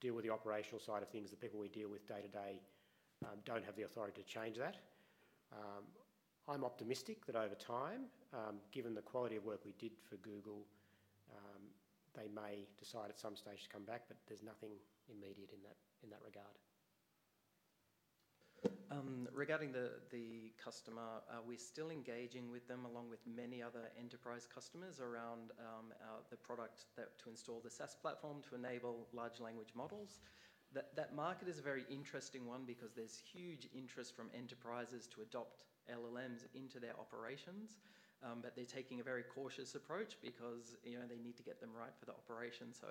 deal with the operational side of things, the people we deal with day-to-day, don't have the authority to change that. I'm optimistic that over time, given the quality of work we did for Google, they may decide at some stage to come back, but there's nothing immediate in that, in that regard. Regarding the, the customer, we're still engaging with them, along with many other enterprise customers, around, the product that to install the SaaS platform to enable large language models. That, that market is a very interesting one because there's huge interest from enterprises to adopt LLMs into their operations, but they're taking a very cautious approach because, you know, they need to get them right for the operation. So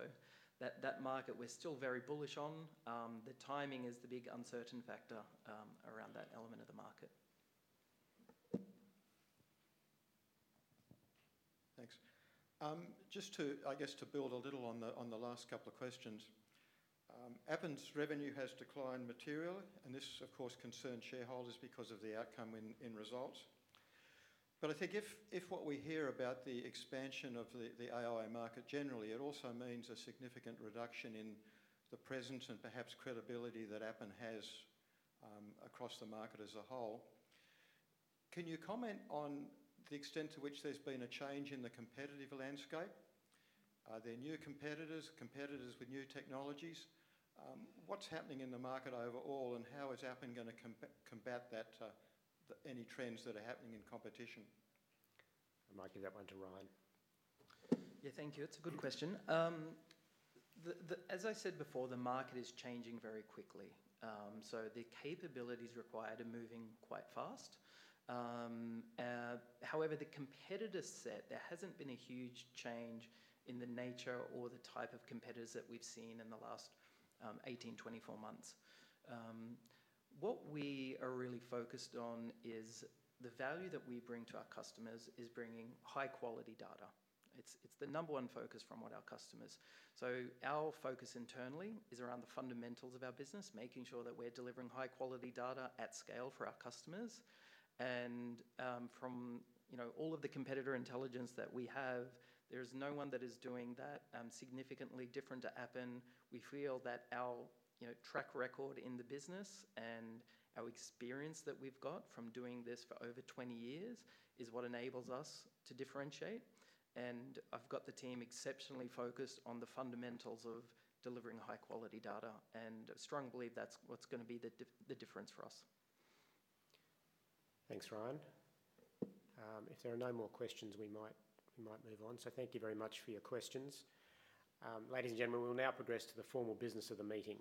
that, that market, we're still very bullish on. The timing is the big uncertain factor, around that element of the market. Thanks. Just to, I guess, to build a little on the last couple of questions. Appen's revenue has declined materially, and this, of course, concerned shareholders because of the outcome in results. But I think if what we hear about the expansion of the AI market generally, it also means a significant reduction in the presence and perhaps credibility that Appen has across the market as a whole. Can you comment on the extent to which there's been a change in the competitive landscape? Are there new competitors, competitors with new technologies? What's happening in the market overall, and how is Appen going to combat that, any trends that are happening in competition? I might give that one to Ryan. Yeah. Thank you. It's a good question. The—as I said before, the market is changing very quickly, so the capabilities required are moving quite fast. However, the competitor set, there hasn't been a huge change in the nature or the type of competitors that we've seen in the last 18, 24 months. What we are really focused on is the value that we bring to our customers is bringing high-quality data. It's the number one focus from what our customers. So our focus internally is around the fundamentals of our business, making sure that we're delivering high-quality data at scale for our customers. And from, you know, all of the competitor intelligence that we have, there is no one that is doing that significantly different to Appen. We feel that our, you know, track record in the business and our experience that we've got from doing this for over 20 years, is what enables us to differentiate, and I've got the team exceptionally focused on the fundamentals of delivering high-quality data, and I strongly believe that's what's gonna be the difference for us. Thanks, Ryan. If there are no more questions, we might move on. So thank you very much for your questions. Ladies and gentlemen, we'll now progress to the formal business of the meeting.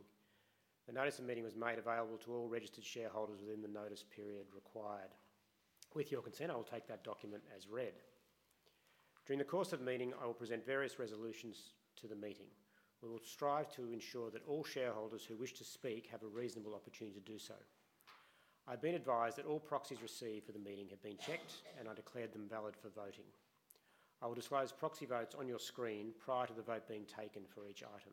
The notice of meeting was made available to all registered shareholders within the notice period required. With your consent, I will take that document as read. During the course of the meeting, I will present various resolutions to the meeting. We will strive to ensure that all shareholders who wish to speak have a reasonable opportunity to do so. I've been advised that all proxies received for the meeting have been checked, and I declare them valid for voting. I will disclose proxy votes on your screen prior to the vote being taken for each item.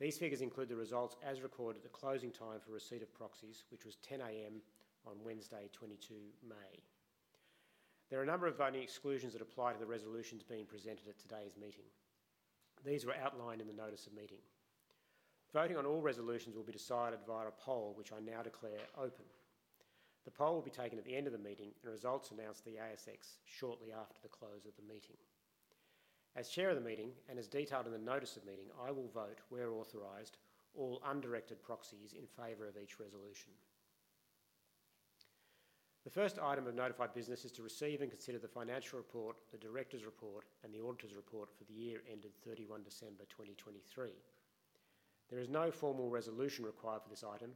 These figures include the results as recorded at the closing time for receipt of proxies, which was 10:00 A.M. on Wednesday, 22 May. There are a number of voting exclusions that apply to the resolutions being presented at today's meeting. These were outlined in the notice of meeting. Voting on all resolutions will be decided via a poll, which I now declare open. The poll will be taken at the end of the meeting, and results announced to the ASX shortly after the close of the meeting. As chair of the meeting, and as detailed in the notice of meeting, I will vote, where authorized, all undirected proxies in favor of each resolution. The first item of notified business is to receive and consider the financial report, the directors' report, and the auditors' report for the year ended 31 December 2023. There is no formal resolution required for this item,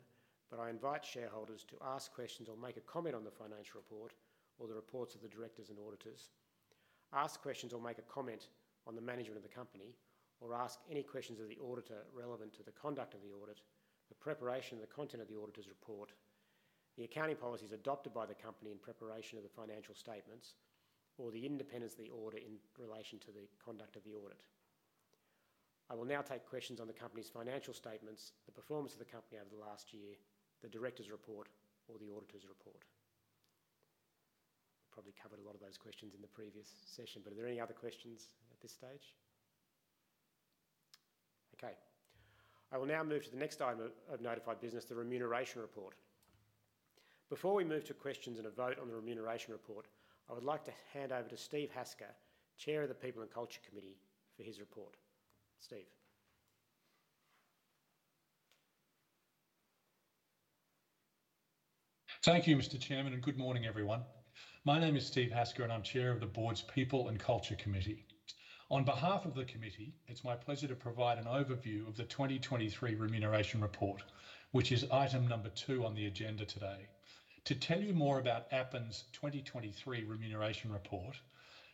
but I invite shareholders to ask questions or make a comment on the financial report or the reports of the directors and auditors. Ask questions or make a comment on the management of the company. Or ask any questions of the auditor relevant to the conduct of the audit, the preparation and the content of the auditor's report, the accounting policies adopted by the company in preparation of the financial statements, or the independence of the auditor in relation to the conduct of the audit. I will now take questions on the company's financial statements, the performance of the company over the last year, the directors' report, or the auditors' report. Probably covered a lot of those questions in the previous session, but are there any other questions at this stage? Okay. I will now move to the next item of notified business, the remuneration report. Before we move to questions and a vote on the remuneration report, I would like to hand over to Steve Hasker, Chair of the People and Culture Committee, for his report. Steve? Thank you, Mr. Chairman, and good morning, everyone. My name is Steve Hasker, and I'm Chair of the Board's People and Culture Committee. On behalf of the committee, it's my pleasure to provide an overview of the 2023 remuneration report, which is item number two on the agenda today. To tell you more about Appen's 2023 remuneration report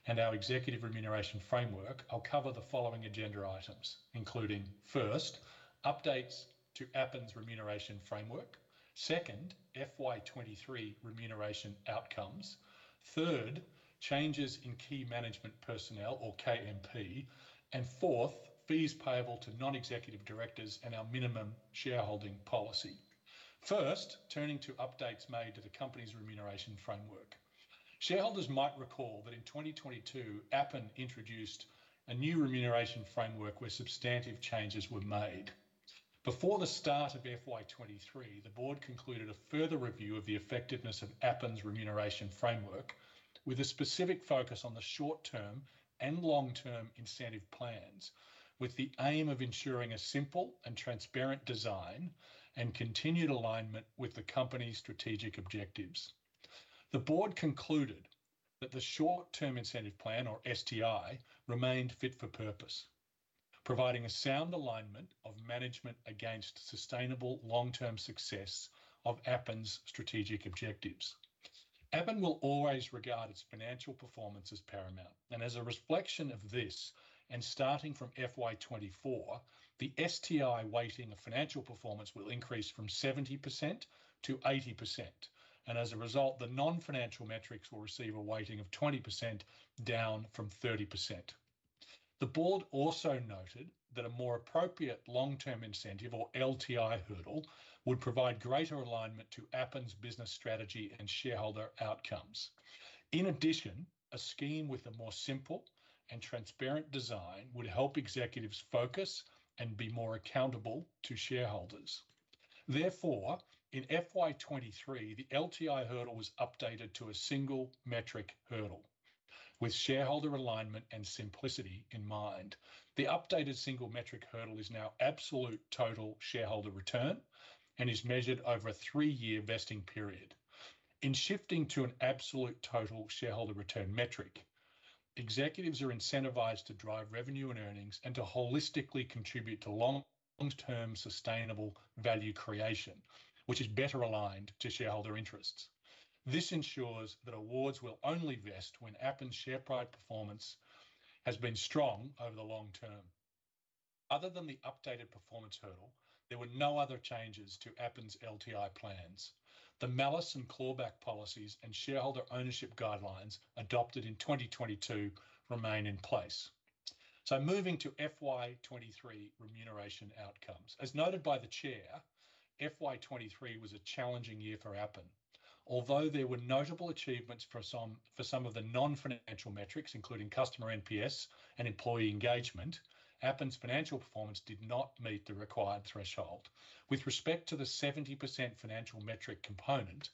and our executive remuneration framework, I'll cover the following agenda items, including, first, updates to Appen's remuneration framework, second, FY 2023 remuneration outcomes, third, changes in key management personnel, or KMP, and fourth, fees payable to non-executive directors and our minimum shareholding policy. First, turning to updates made to the company's remuneration framework. Shareholders might recall that in 2022, Appen introduced a new remuneration framework where substantive changes were made. Before the start of FY 2023, the board concluded a further review of the effectiveness of Appen's remuneration framework, with a specific focus on the short-term and long-term incentive plans, with the aim of ensuring a simple and transparent design and continued alignment with the company's strategic objectives. The board concluded that the short-term incentive plan, or STI, remained fit for purpose, providing a sound alignment of management against sustainable long-term success of Appen's strategic objectives. Appen will always regard its financial performance as paramount, and as a reflection of this, and starting from FY 2024, the STI weighting of financial performance will increase from 70%-80%, and as a result, the non-financial metrics will receive a weighting of 20%, down from 30%. The board also noted that a more appropriate long-term incentive, or LTI hurdle, would provide greater alignment to Appen's business strategy and shareholder outcomes. In addition, a scheme with a more simple and transparent design would help executives focus and be more accountable to shareholders. Therefore, in FY 2023, the LTI hurdle was updated to a single metric hurdle. With shareholder alignment and simplicity in mind, the updated single metric hurdle is now absolute total shareholder return and is measured over a three-year vesting period. In shifting to an absolute total shareholder return metric, executives are incentivized to drive revenue and earnings and to holistically contribute to long-term sustainable value creation, which is better aligned to shareholder interests. This ensures that awards will only vest when Appen's share price performance has been strong over the long term. Other than the updated performance hurdle, there were no other changes to Appen's LTI plans. The malus and clawback policies and shareholder ownership guidelines adopted in 2022 remain in place. So moving to FY 2023 remuneration outcomes. As noted by the chair, FY 2023 was a challenging year for Appen. Although there were notable achievements for some, for some of the non-financial metrics, including customer NPS and employee engagement, Appen's financial performance did not meet the required threshold. With respect to the 70% financial metric component...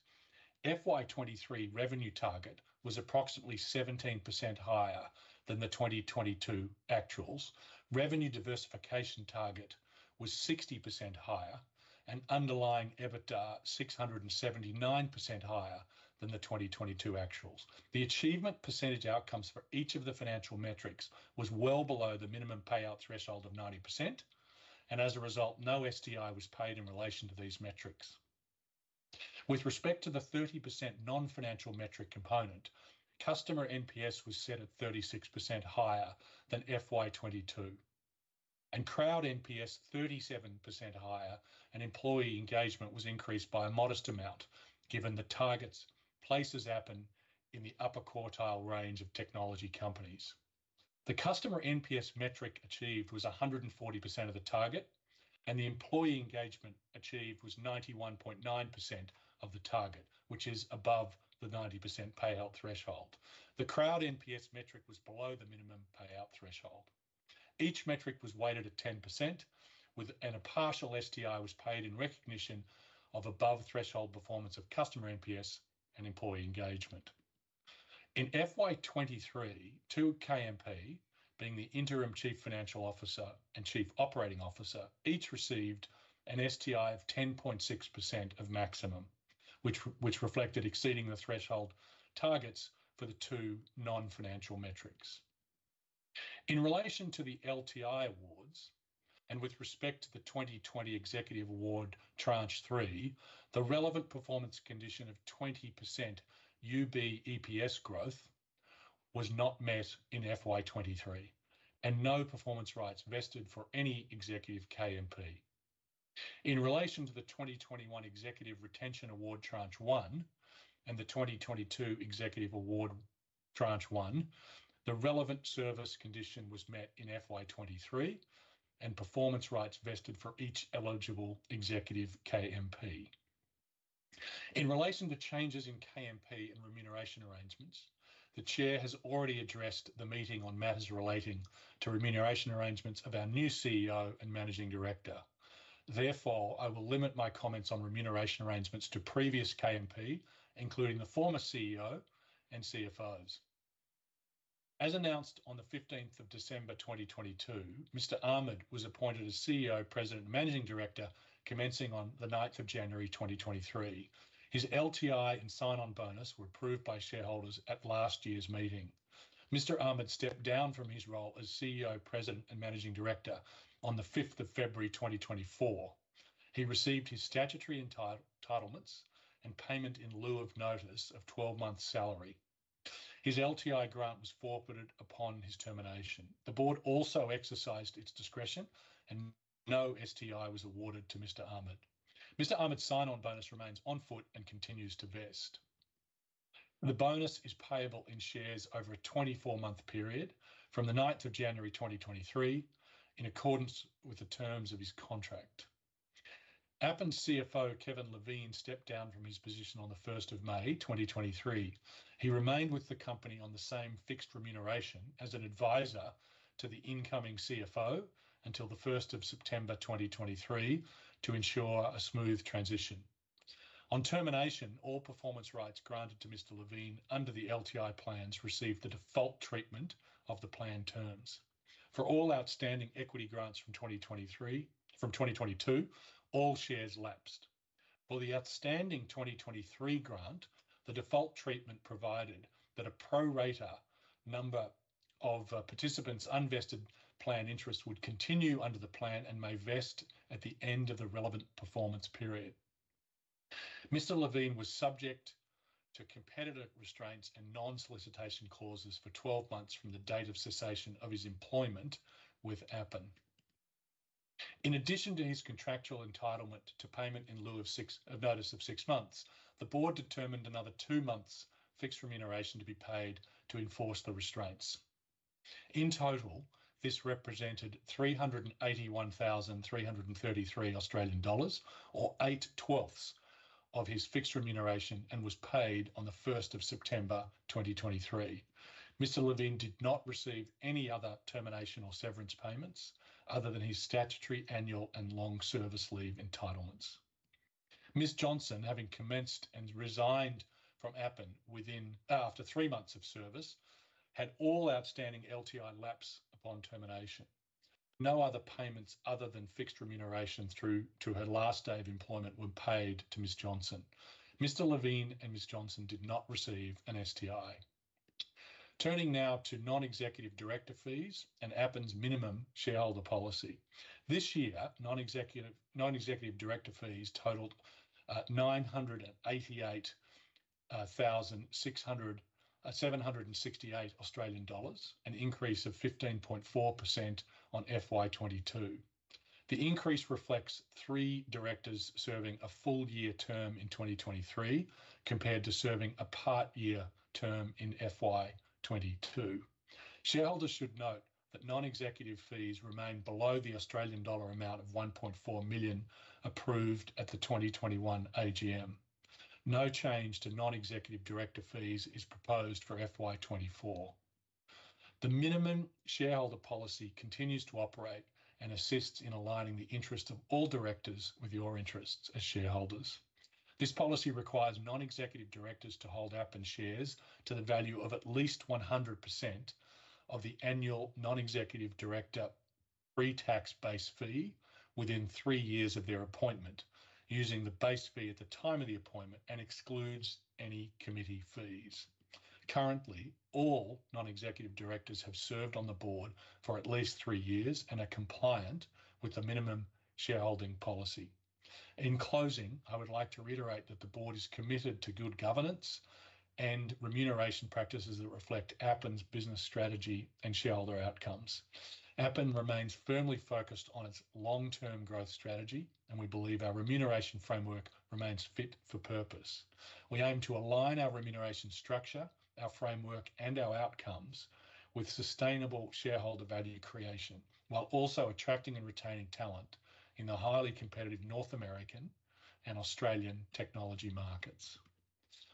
FY 2023 revenue target was approximately 17% higher than the 2022 actuals. Revenue diversification target was 60% higher, and underlying EBITDA, 679% higher than the 2022 actuals. The achievement percentage outcomes for each of the financial metrics was well below the minimum payout threshold of 90%, and as a result, no STI was paid in relation to these metrics. With respect to the 30% non-financial metric component, customer NPS was set at 36% higher than FY 2022, and crowd NPS, 37% higher, and employee engagement was increased by a modest amount, given the targets places Appen in the upper quartile range of technology companies. The customer NPS metric achieved was 140% of the target, and the employee engagement achieved was 91.9% of the target, which is above the 90% payout threshold. The crowd NPS metric was below the minimum payout threshold. Each metric was weighted at 10%, with and a partial STI was paid in recognition of above-threshold performance of customer NPS and employee engagement. In FY 2023, two KMP, being the interim Chief Financial Officer and Chief Operating Officer, each received an STI of 10.6% of maximum, which reflected exceeding the threshold targets for the two non-financial metrics. In relation to the LTI awards, and with respect to the 2020 executive award tranche 3, the relevant performance condition of 20% UB EPS growth was not met in FY 2023, and no performance rights vested for any executive KMP. In relation to the 2021 executive retention award tranche 1, and the 2022 executive award tranche 1, the relevant service condition was met in FY 2023, and performance rights vested for each eligible executive KMP. In relation to changes in KMP and remuneration arrangements, the chair has already addressed the meeting on matters relating to remuneration arrangements of our new CEO and managing director. Therefore, I will limit my comments on remuneration arrangements to previous KMP, including the former CEO and CFOs. As announced on the 15th of December 2022, Mr. Ahmad was appointed as CEO, president, and managing director, commencing on the 9th of January 2023. His LTI and sign-on bonus were approved by shareholders at last year's meeting. Mr. Ahmad stepped down from his role as CEO, president, and managing director on the 5th of February 2024. He received his statutory entitlements and payment in lieu of notice of 12 months' salary. His LTI grant was forfeited upon his termination. The board also exercised its discretion, and no STI was awarded to Mr. Ahmad. Mr. Ahmad's sign-on bonus remains on foot and continues to vest. The bonus is payable in shares over a 24-month period from the 9th of January 2023, in accordance with the terms of his contract. Appen's CFO, Kevin Levine, stepped down from his position on the 1st of May 2023. He remained with the company on the same fixed remuneration as an advisor to the incoming CFO until the 1st of September 2023, to ensure a smooth transition. On termination, all performance rights granted to Mr. Levine under the LTI plans received the default treatment of the plan terms. For all outstanding equity grants from 2022, all shares lapsed. For the outstanding 2023 grant, the default treatment provided that a pro rata number of participants' unvested plan interest would continue under the plan and may vest at the end of the relevant performance period. Mr. Levine was subject to competitive restraints and non-solicitation clauses for 12 months from the date of cessation of his employment with Appen. In addition to his contractual entitlement to payment in lieu of six months of notice, the board determined another two months' fixed remuneration to be paid to enforce the restraints. In total, this represented 381,333 Australian dollars, or 8/12 of his fixed remuneration, and was paid on the first of September 2023. Mr. Levine did not receive any other termination or severance payments, other than his statutory annual and long service leave entitlements. Ms. Johnson, having commenced and resigned from Appen within after 3 months of service, had all outstanding LTI lapse upon termination. No other payments other than fixed remuneration through to her last day of employment were paid to Ms. Johnson. Mr. Levine and Ms. Johnson did not receive an STI. Turning now to non-executive director fees and Appen's minimum shareholder policy. This year, non-executive director fees totaled 988,678 Australian dollars, an increase of 15.4% on FY 2022. The increase reflects three directors serving a full year term in 2023, compared to serving a part year term in FY 2022. Shareholders should note that non-executive fees remain below the Australian dollar amount of 1.4 million, approved at the 2021 AGM. No change to non-executive director fees is proposed for FY 2024. The minimum shareholder policy continues to operate and assists in aligning the interests of all directors with your interests as shareholders. This policy requires non-executive directors to hold Appen shares to the value of at least 100% of the annual non-executive director pre-tax base fee within three years of their appointment, using the base fee at the time of the appointment, and excludes any committee fees. Currently, all non-executive directors have served on the board for at least three years and are compliant with the minimum shareholding policy. In closing, I would like to reiterate that the board is committed to good governance and remuneration practices that reflect Appen's business strategy and shareholder outcomes. Appen remains firmly focused on its long-term growth strategy, and we believe our remuneration framework remains fit for purpose. We aim to align our remuneration structure, our framework, and our outcomes with sustainable shareholder value creation, while also attracting and retaining talent in the highly competitive North American and Australian technology markets.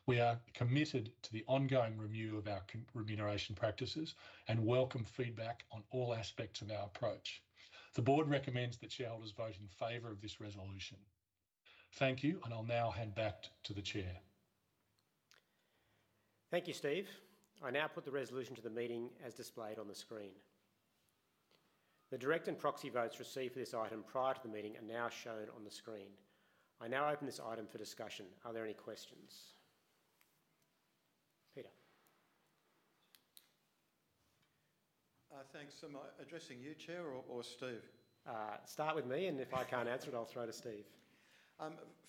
We are committed to the ongoing review of our remuneration practices and welcome feedback on all aspects of our approach. The board recommends that shareholders vote in favor of this resolution. Thank you, and I'll now hand back to the chair. Thank you, Steve. I now put the resolution to the meeting as displayed on the screen. The direct and proxy votes received for this item prior to the meeting are now shown on the screen. I now open this item for discussion. Are there any questions? Peter. Thanks. Am I addressing you, Chair, or, or Steve? Start with me, and if I can't answer it, I'll throw to Steve.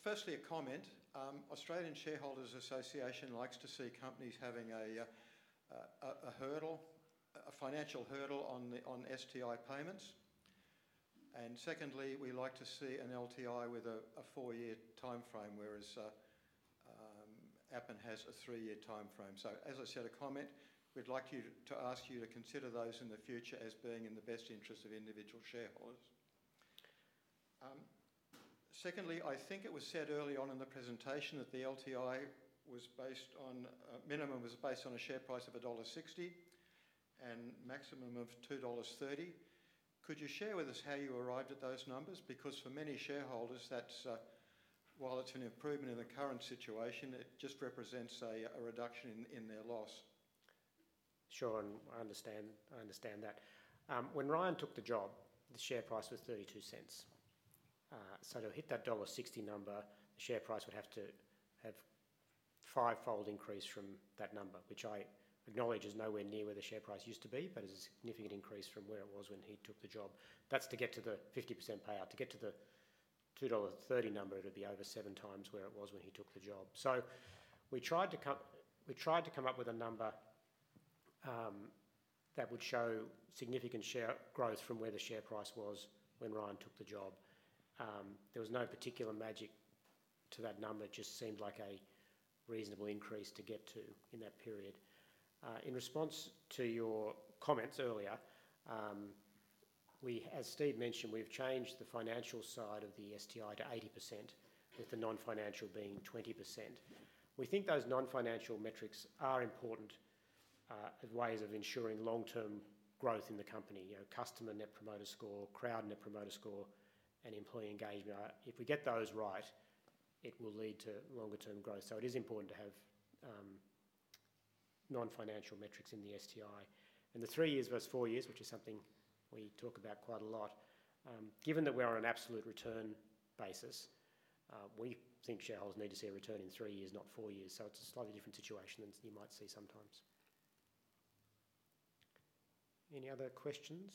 Firstly, a comment. Australian Shareholders' Association likes to see companies having a hurdle, a financial hurdle on the STI payments. And secondly, we like to see an LTI with a four-year timeframe, whereas Appen has a three-year timeframe. So, as I said, a comment, we'd like you to ask you to consider those in the future as being in the best interest of individual shareholders. Secondly, I think it was said early on in the presentation that the LTI was based on minimum was based on a share price of dollar 1.60 and maximum of 2.30 dollars. Could you share with us how you arrived at those numbers? Because for many shareholders, that's, while it's an improvement in the current situation, it just represents a reduction in their loss. Sure, and I understand, I understand that. When Ryan took the job, the share price was 32 cents. So to hit that $1.60 number, the share price would have to have fivefold increase from that number, which I acknowledge is nowhere near where the share price used to be, but is a significant increase from where it was when he took the job. That's to get to the 50% payout. To get to the $2.30 number, it would be over seven times where it was when he took the job. We tried to come up with a number that would show significant share growth from where the share price was when Ryan took the job. There was no particular magic to that number. It just seemed like a reasonable increase to get to in that period. In response to your comments earlier, as Steve mentioned, we've changed the financial side of the STI to 80%, with the non-financial being 20%. We think those non-financial metrics are important, as ways of ensuring long-term growth in the company. You know, customer Net Promoter Score, crowd Net Promoter Score, and employee engagement. If we get those right, it will lead to longer term growth. So it is important to have non-financial metrics in the STI. And the 3 years versus 4 years, which is something we talk about quite a lot, given that we are on an absolute return basis, we think shareholders need to see a return in 3 years, not 4 years, so it's a slightly different situation than you might see sometimes. Any other questions?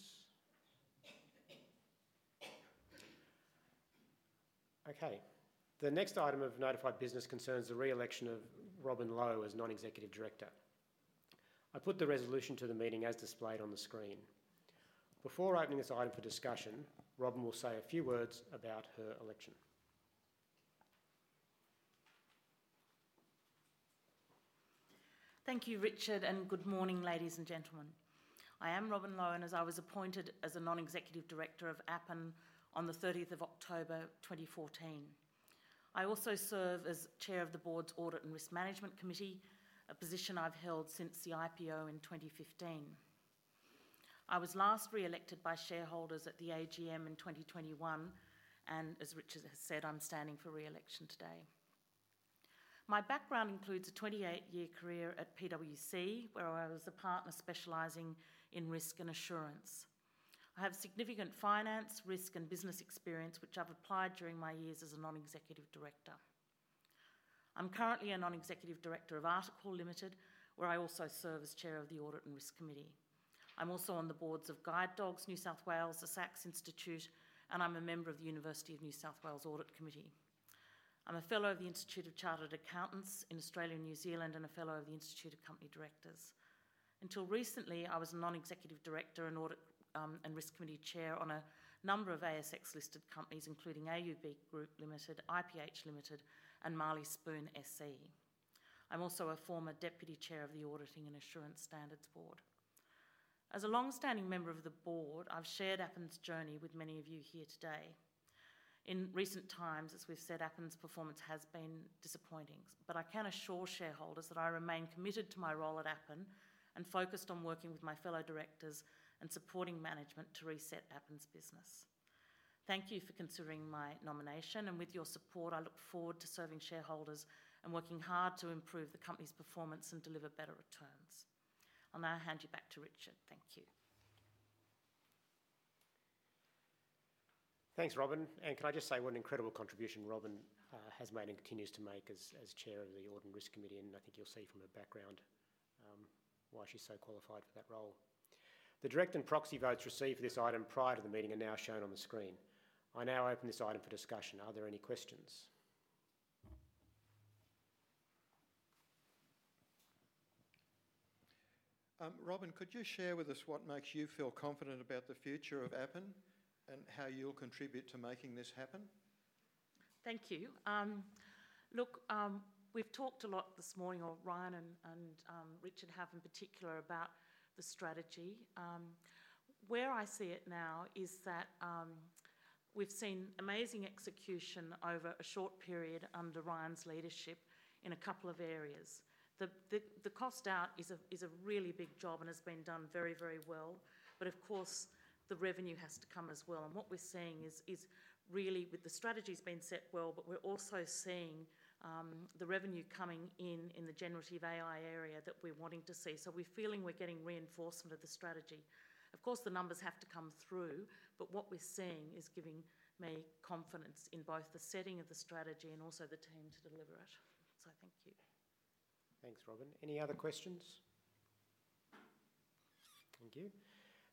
Okay. The next item of notified business concerns the re-election of Robin Low as non-executive director. I put the resolution to the meeting as displayed on the screen. Before opening this item for discussion, Robin Low will say a few words about her election. Thank you, Richard, and good morning, ladies and gentlemen. I am Robin Low, and as I was appointed as a non-executive director of Appen on the 30th of October 2014. I also serve as Chair of the board's Audit and Risk Management Committee, a position I've held since the IPO in 2015. I was last re-elected by shareholders at the AGM in 2021, and as Richard has said, I'm standing for re-election today. My background includes a 28-year career at PwC, where I was a partner specializing in risk and assurance. I have significant finance, risk, and business experience, which I've applied during my years as a non-executive director. I'm currently a non-executive director of Articore Group Limited, where I also serve as Chair of the Audit and Risk Committee. I'm also on the boards of Guide Dogs New South Wales, The Sax Institute, and I'm a member of the University of New South Wales Audit Committee. I'm a fellow of the Institute of Chartered Accountants in Australia and New Zealand, and a fellow of the Institute of Company Directors. Until recently, I was a non-executive director and audit, and risk committee chair on a number of ASX-listed companies, including AUB Group Limited, IPH Limited, and Marley Spoon SE. I'm also a former deputy chair of the Auditing and Assurance Standards Board. As a long-standing member of the board, I've shared Appen's journey with many of you here today…. In recent times, as we've said, Appen's performance has been disappointing. But I can assure shareholders that I remain committed to my role at Appen, and focused on working with my fellow directors and supporting management to reset Appen's business. Thank you for considering my nomination, and with your support, I look forward to serving shareholders and working hard to improve the company's performance and deliver better returns. I'll now hand you back to Richard. Thank you. Thanks, Robin. And can I just say what an incredible contribution Robin has made and continues to make as chair of the Audit and Risk Committee, and I think you'll see from her background why she's so qualified for that role. The direct and proxy votes received for this item prior to the meeting are now shown on the screen. I now open this item for discussion. Are there any questions? Robin, could you share with us what makes you feel confident about the future of Appen, and how you'll contribute to making this happen? Thank you. Look, we've talked a lot this morning, or Ryan and Richard have in particular, about the strategy. Where I see it now is that, we've seen amazing execution over a short period under Ryan's leadership in a couple of areas. The cost out is a really big job and has been done very, very well. But of course, the revenue has to come as well, and what we're seeing is really with the strategy's been set well, but we're also seeing the revenue coming in, in the generative AI area that we're wanting to see. So we're feeling we're getting reinforcement of the strategy. Of course, the numbers have to come through, but what we're seeing is giving me confidence in both the setting of the strategy and also the team to deliver it. Thank you. Thanks, Robin. Any other questions? Thank you.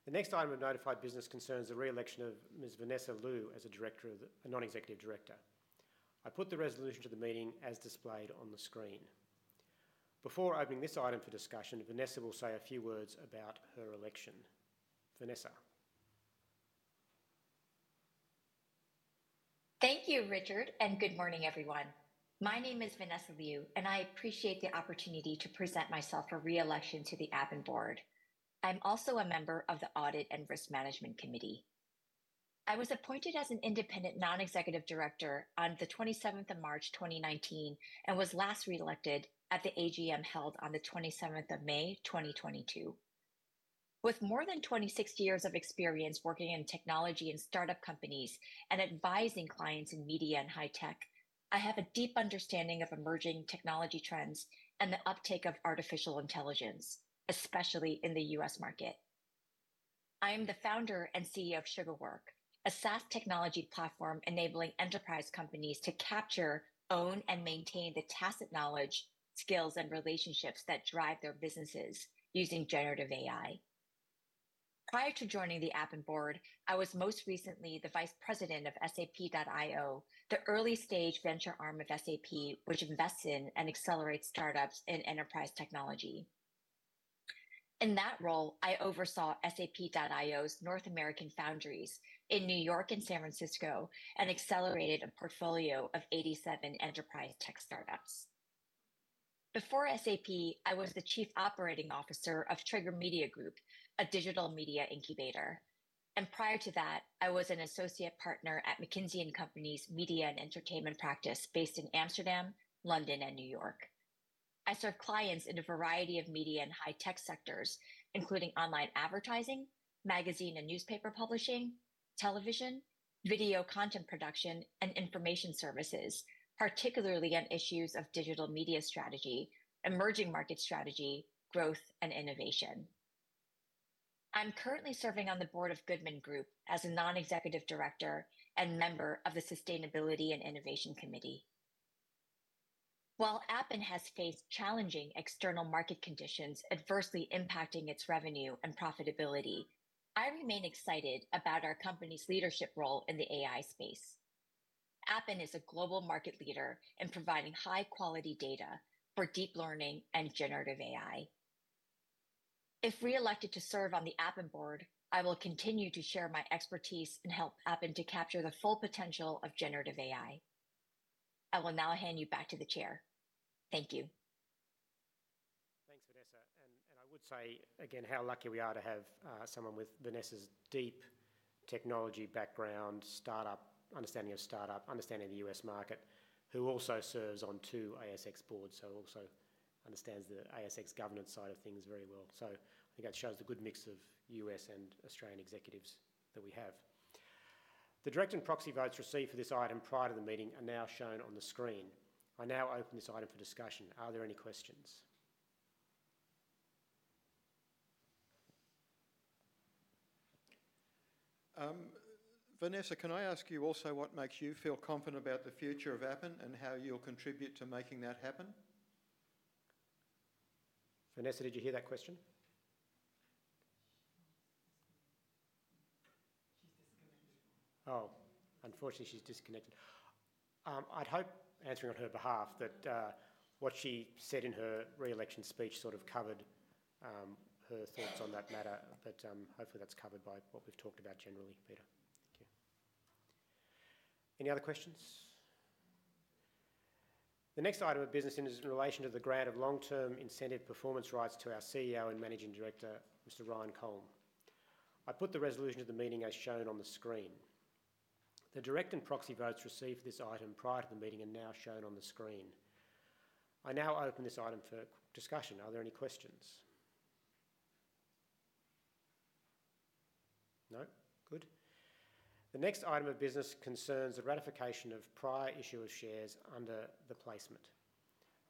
The next item of notified business concerns the re-election of Ms. Vanessa Liu as a director of the... a non-executive director. I put the resolution to the meeting as displayed on the screen. Before opening this item for discussion, Vanessa will say a few words about her election. Vanessa? Thank you, Richard, and good morning, everyone. My name is Vanessa Liu, and I appreciate the opportunity to present myself for re-election to the Appen board. I'm also a member of the Audit and Risk Management Committee. I was appointed as an independent non-executive director on the 27th of March, 2019, and was last re-elected at the AGM held on the 27th of May, 2022. With more than 26 years of experience working in technology and startup companies and advising clients in media and high tech, I have a deep understanding of emerging technology trends and the uptake of artificial intelligence, especially in the US market. I am the founder and CEO of Sugarwork, a SaaS technology platform enabling enterprise companies to capture, own, and maintain the tacit knowledge, skills, and relationships that drive their businesses using generative AI. Prior to joining the Appen board, I was most recently the Vice President of SAP.iO, the early-stage venture arm of SAP, which invests in and accelerates startups in enterprise technology. In that role, I oversaw SAP.iO's North American foundries in New York and San Francisco, and accelerated a portfolio of 87 enterprise tech startups. Before SAP, I was the Chief Operating Officer of Trigger Media Group, a digital media incubator, and prior to that, I was an Associate Partner at McKinsey & Company's Media and Entertainment practice based in Amsterdam, London, and New York. I served clients in a variety of media and high-tech sectors, including online advertising, magazine and newspaper publishing, television, video content production, and information services, particularly on issues of digital media strategy, emerging market strategy, growth, and innovation. I'm currently serving on the board of Goodman Group as a non-executive director and member of the Sustainability and Innovation Committee. While Appen has faced challenging external market conditions adversely impacting its revenue and profitability, I remain excited about our company's leadership role in the AI space. Appen is a global market leader in providing high-quality data for deep learning and generative AI. If re-elected to serve on the Appen board, I will continue to share my expertise and help Appen to capture the full potential of generative AI. I will now hand you back to the chair. Thank you. Thanks, Vanessa. I would say again, how lucky we are to have someone with Vanessa's deep technology background, startup, understanding of startup, understanding of the U.S. market, who also serves on two ASX boards, so also understands the ASX governance side of things very well. So I think that shows the good mix of U.S. and Australian executives that we have. The direct and proxy votes received for this item prior to the meeting are now shown on the screen. I now open this item for discussion. Are there any questions? Vanessa, can I ask you also what makes you feel confident about the future of Appen and how you'll contribute to making that happen? Vanessa, did you hear that question? She's disconnected. Oh, unfortunately, she's disconnected. I'd hope, answering on her behalf, that what she said in her re-election speech sort of covered her thoughts on that matter. But, hopefully, that's covered by what we've talked about generally, Peter. Thank you. Any other questions?... The next item of business is in relation to the grant of long-term incentive performance rights to our CEO and Managing Director, Mr. Ryan Kolln. I put the resolution to the meeting as shown on the screen. The direct and proxy votes received for this item prior to the meeting are now shown on the screen. I now open this item for discussion. Are there any questions? No? Good. The next item of business concerns the ratification of prior issue of shares under the placement.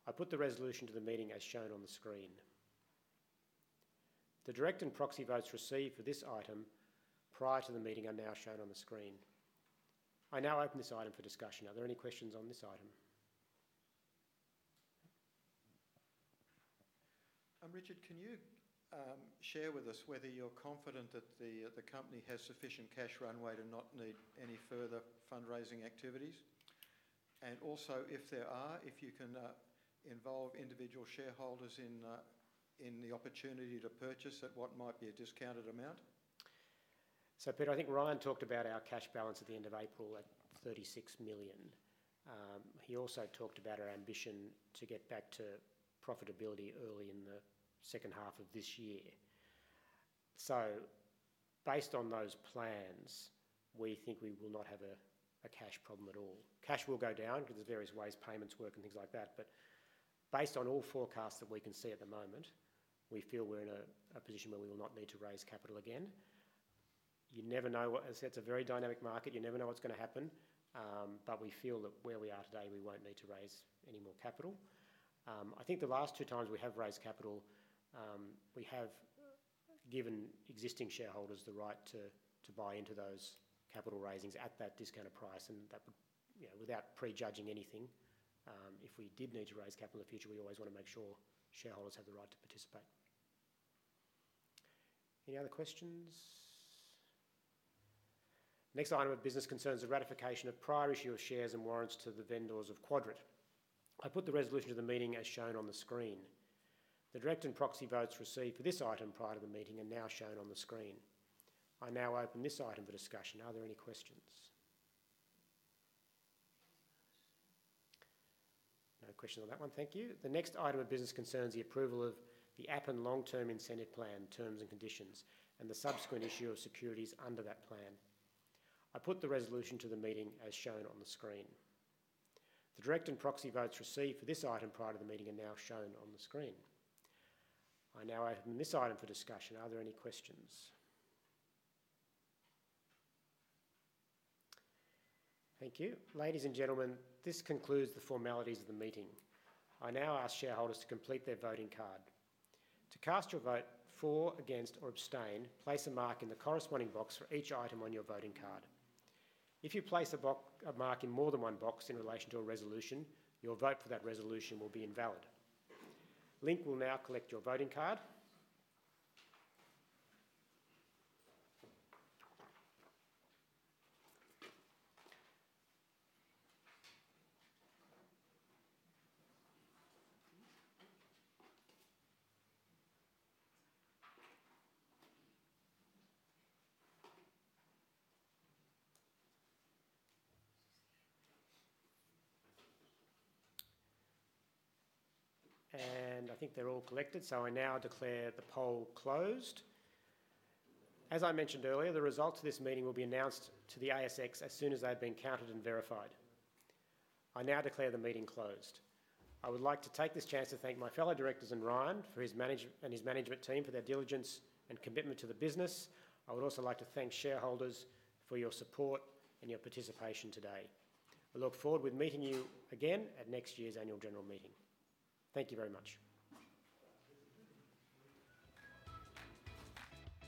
I put the resolution to the meeting as shown on the screen. The direct and proxy votes received for this item prior to the meeting are now shown on the screen. I now open this item for discussion. Are there any questions on this item? Richard, can you share with us whether you're confident that the company has sufficient cash runway to not need any further fundraising activities? And also, if there are, if you can, involve individual shareholders in the opportunity to purchase at what might be a discounted amount. So Peter, I think Ryan talked about our cash balance at the end of April at $36 million. He also talked about our ambition to get back to profitability early in the second half of this year. So based on those plans, we think we will not have a cash problem at all. Cash will go down because there's various ways payments work and things like that, but based on all forecasts that we can see at the moment, we feel we're in a position where we will not need to raise capital again. You never know what... As I said, it's a very dynamic market, you never know what's going to happen, but we feel that where we are today, we won't need to raise any more capital. I think the last two times we have raised capital, we have given existing shareholders the right to, to buy into those capital raisings at that discounted price, and that, you know, without pre-judging anything, if we did need to raise capital in the future, we always want to make sure shareholders have the right to participate. Any other questions? Next item of business concerns the ratification of prior issue of shares and warrants to the vendors of Quadrant. I put the resolution to the meeting as shown on the screen. The direct and proxy votes received for this item prior to the meeting are now shown on the screen. I now open this item for discussion. Are there any questions? No questions on that one. Thank you. The next item of business concerns the approval of the Appen Long-Term Incentive Plan terms and conditions, and the subsequent issue of securities under that plan. I put the resolution to the meeting as shown on the screen. The direct and proxy votes received for this item prior to the meeting are now shown on the screen. I now open this item for discussion. Are there any questions? Thank you. Ladies and gentlemen, this concludes the formalities of the meeting. I now ask shareholders to complete their voting card. To cast your vote for, against, or abstain, place a mark in the corresponding box for each item on your voting card. If you place a mark in more than one box in relation to a resolution, your vote for that resolution will be invalid. Link will now collect your voting card. I think they're all collected, so I now declare the poll closed. As I mentioned earlier, the results of this meeting will be announced to the ASX as soon as they have been counted and verified. I now declare the meeting closed. I would like to take this chance to thank my fellow directors and Ryan for his management and his management team for their diligence and commitment to the business. I would also like to thank shareholders for your support and your participation today. We look forward to meeting you again at next year's annual general meeting. Thank you very much.